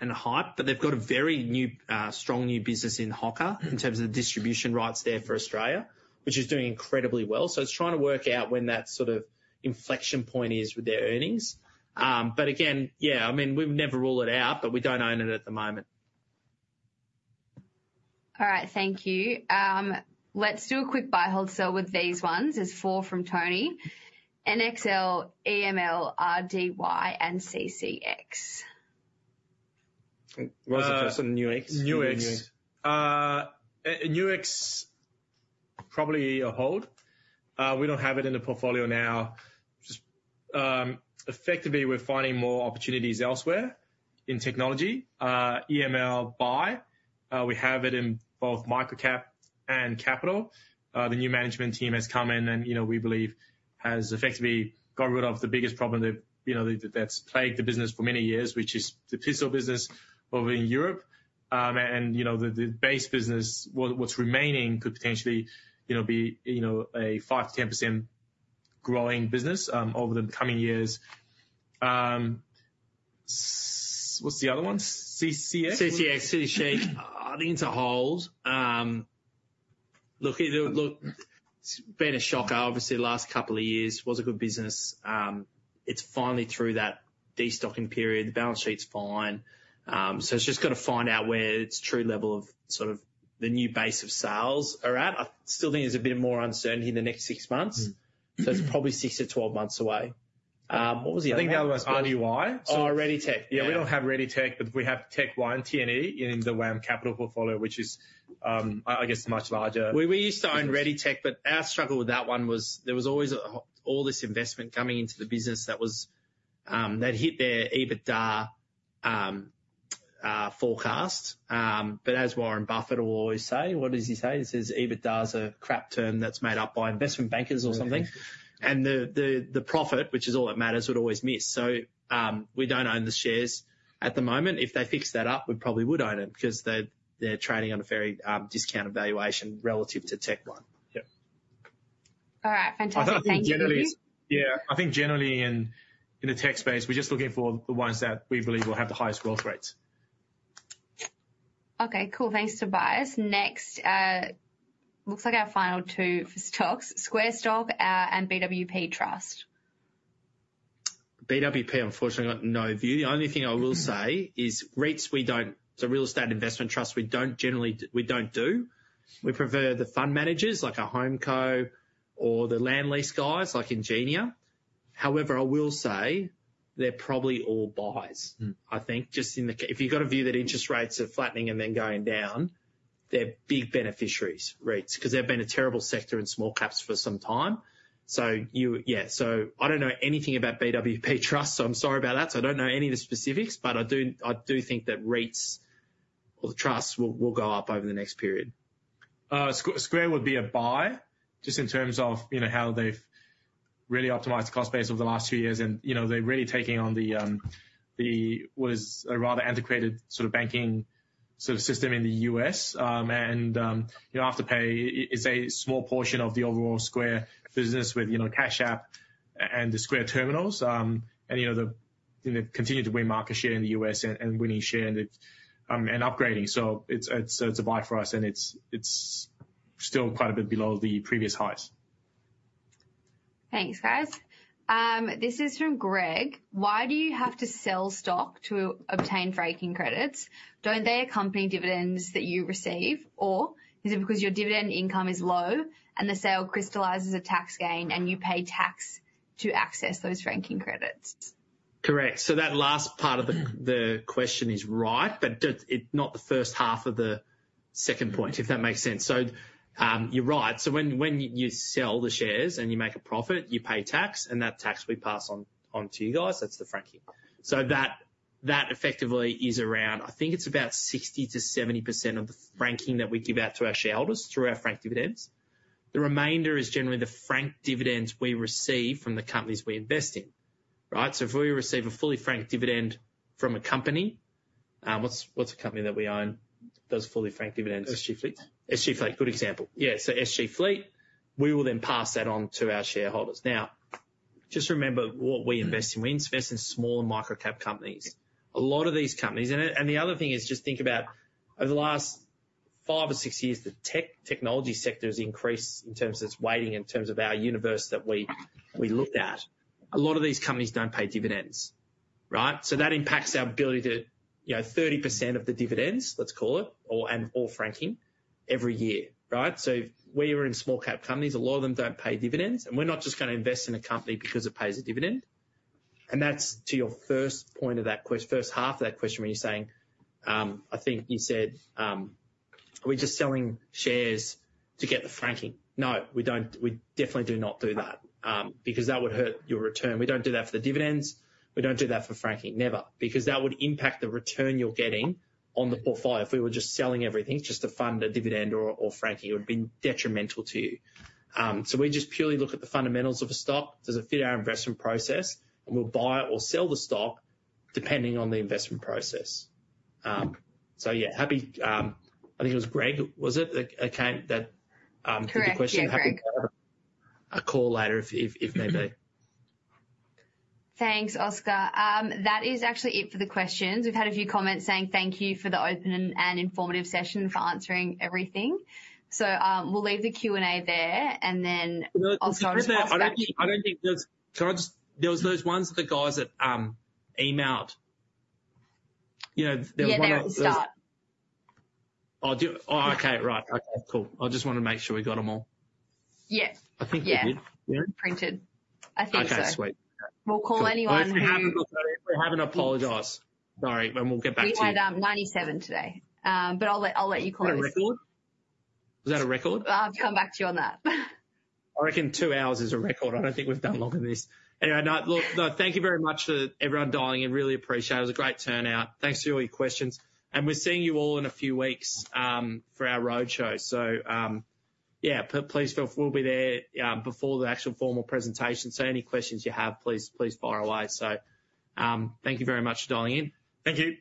Speaker 1: Hype. But they've got a very strong new business in Hoka in terms of the distribution rights there for Australia, which is doing incredibly well. So it's trying to work out when that sort of inflection point is with their earnings. Again, yeah, I mean, we never rule it out. But we don't own it at the moment.
Speaker 3: All right. Thank you. Let's do a quick buy-hold sell with these ones. There's four from Tony: NXL, EML, RDY, and CCX.
Speaker 2: What was the first one? Nuix?
Speaker 1: Nuix.
Speaker 2: Nuix, probably a hold. We don't have it in the portfolio now. Effectively, we're finding more opportunities elsewhere in technology. EML, buy. We have it in both microcap and capital. The new management team has come in. You know, we believe has effectively got rid of the biggest problem that, you know, that's plagued the business for many years, which is the PFS business over in Europe. You know, the base business, what's remaining could potentially, you know, be, you know, a 5%-10% growing business over the coming years. What's the other one? CCX?
Speaker 1: CCX, I think it's a hold. Look, it's been a shocker, obviously, the last couple of years. Was a good business. It's finally through that destocking period. The balance sheet's fine. So it's just got to find out where its true level of sort of the new base of sales are at. I still think there's a bit more uncertainty in the next six months. So it's probably 6-12 months away. What was the other one?
Speaker 2: I think the other one's RDY.
Speaker 1: Oh, Readytech.
Speaker 2: Yeah, we don't have Readytech. But we have TechOne and TNE in the WAM Capital portfolio, which is, I guess, much larger.
Speaker 1: We used to own Readytech. But our struggle with that one was there was always all this investment coming into the business that hit their EBITDA forecast. But as Warren Buffett will always say, what does he say? He says, "EBITDA is a crap term that's made up by investment bankers or something." And the profit, which is all that matters, would always miss. So we don't own the shares at the moment. If they fix that up, we probably would own it because they're trading on a very discounted valuation relative to TechOne.
Speaker 2: Yep.
Speaker 3: All right. Fantastic. Thank you.
Speaker 2: Yeah, I think generally in the tech space, we're just looking for the ones that we believe will have the highest growth rates.
Speaker 3: Okay. Cool. Thanks, Tobias. Next, looks like our final two for stocks: Square stock and BWP Trust.
Speaker 1: BWP, unfortunately, I've got no view. The only thing I will say is REITs, we don't so real estate investment trusts, we don't do. We prefer the fund managers like a Homeco or the land lease guys like Ingenia. However, I will say they're probably all buys, I think, just in the if you've got a view that interest rates are flattening and then going down, they're big beneficiaries, REITs, because they've been a terrible sector in small caps for some time. So yeah, so I don't know anything about BWP Trust. So I'm sorry about that. So I don't know any of the specifics. But I do think that REITs or the trusts will go up over the next period.
Speaker 2: Square would be a buy just in terms of how they've really optimized the cost base over the last two years. And they're really taking on what is a rather antiquated sort of banking sort of system in the U.S. And you know Afterpay, it's a small portion of the overall Square business with Cash App and the Square Terminals. And they've continued to win market share in the U.S. and winning share and upgrading. So it's a buy for us. And it's still quite a bit below the previous highs.
Speaker 3: Thanks, guys. This is from Greg. "Why do you have to sell stock to obtain franking credits? Don't they accompany dividends that you receive? Or is it because your dividend income is low and the sale crystallizes a tax gain and you pay tax to access those franking credits?
Speaker 1: Correct. So that last part of the question is right. But not the first half of the second point, if that makes sense. So you're right. So when you sell the shares and you make a profit, you pay tax. And that tax we pass on to you guys. That's the franking. So that effectively is around, I think it's about 60%-70% of the franking that we give out to our shareholders through our franked dividends. The remainder is generally the franked dividends we receive from the companies we invest in, right? So if we receive a fully franked dividend from a company, what's a company that we own that does fully franked dividends?
Speaker 2: SG Fleet.
Speaker 1: SG Fleet, good example. Yeah, so SG Fleet. We will then pass that on to our shareholders. Now, just remember what we invest in. We invest in small and microcap companies. A lot of these companies and the other thing is just think about over the last five or six years, the tech technology sector has increased in terms of its weighting in terms of our universe that we looked at. A lot of these companies don't pay dividends, right? So that impacts our ability to 30% of the dividends, let's call it, and all franking every year, right? So where you're in small-cap companies, a lot of them don't pay dividends. And we're not just going to invest in a company because it pays a dividend. And that's to your first point of that first half of that question when you're saying I think you said, "Are we just selling shares to get the franking?" No, we definitely do not do that because that would hurt your return. We don't do that for the dividends. We don't do that for franking, never, because that would impact the return you're getting on the portfolio. If we were just selling everything just to fund a dividend or franking, it would have been detrimental to you. So we just purely look at the fundamentals of a stock. Does it fit our investment process? And we'll buy or sell the stock depending on the investment process. So yeah, happy. I think it was Greg, was it, that came that question?
Speaker 3: Correct.
Speaker 1: Happy to have a call later if maybe.
Speaker 3: Thanks, Oscar. That is actually it for the questions. We've had a few comments saying, "Thank you for the open and informative session for answering everything." So we'll leave the Q&A there. And then I'll start a discussion.
Speaker 1: Can I just there was those ones of the guys that emailed. You know, there were one of--
Speaker 3: Yeah, they start.
Speaker 1: Oh, okay, right. Okay, cool. I just wanted to make sure we got them all.
Speaker 3: Yeah.
Speaker 1: I think we did.
Speaker 3: Yeah, printed. I think so.
Speaker 1: Okay, sweet.
Speaker 3: We'll call anyone who--
Speaker 1: We haven't apologized. Sorry. We'll get back to you.
Speaker 3: We had 97 today. But I'll let you call us.
Speaker 1: Is that a record? Was that a record?
Speaker 3: I've come back to you on that.
Speaker 1: I reckon two hours is a record. I don't think we've done longer than this. Anyway, no, thank you very much for everyone dialing. I really appreciate it. It was a great turnout. Thanks for all your questions. And we're seeing you all in a few weeks for our roadshow. So yeah, please feel we'll be there before the actual formal presentation. So any questions you have, please fire away. So thank you very much for dialing in.
Speaker 2: Thank you.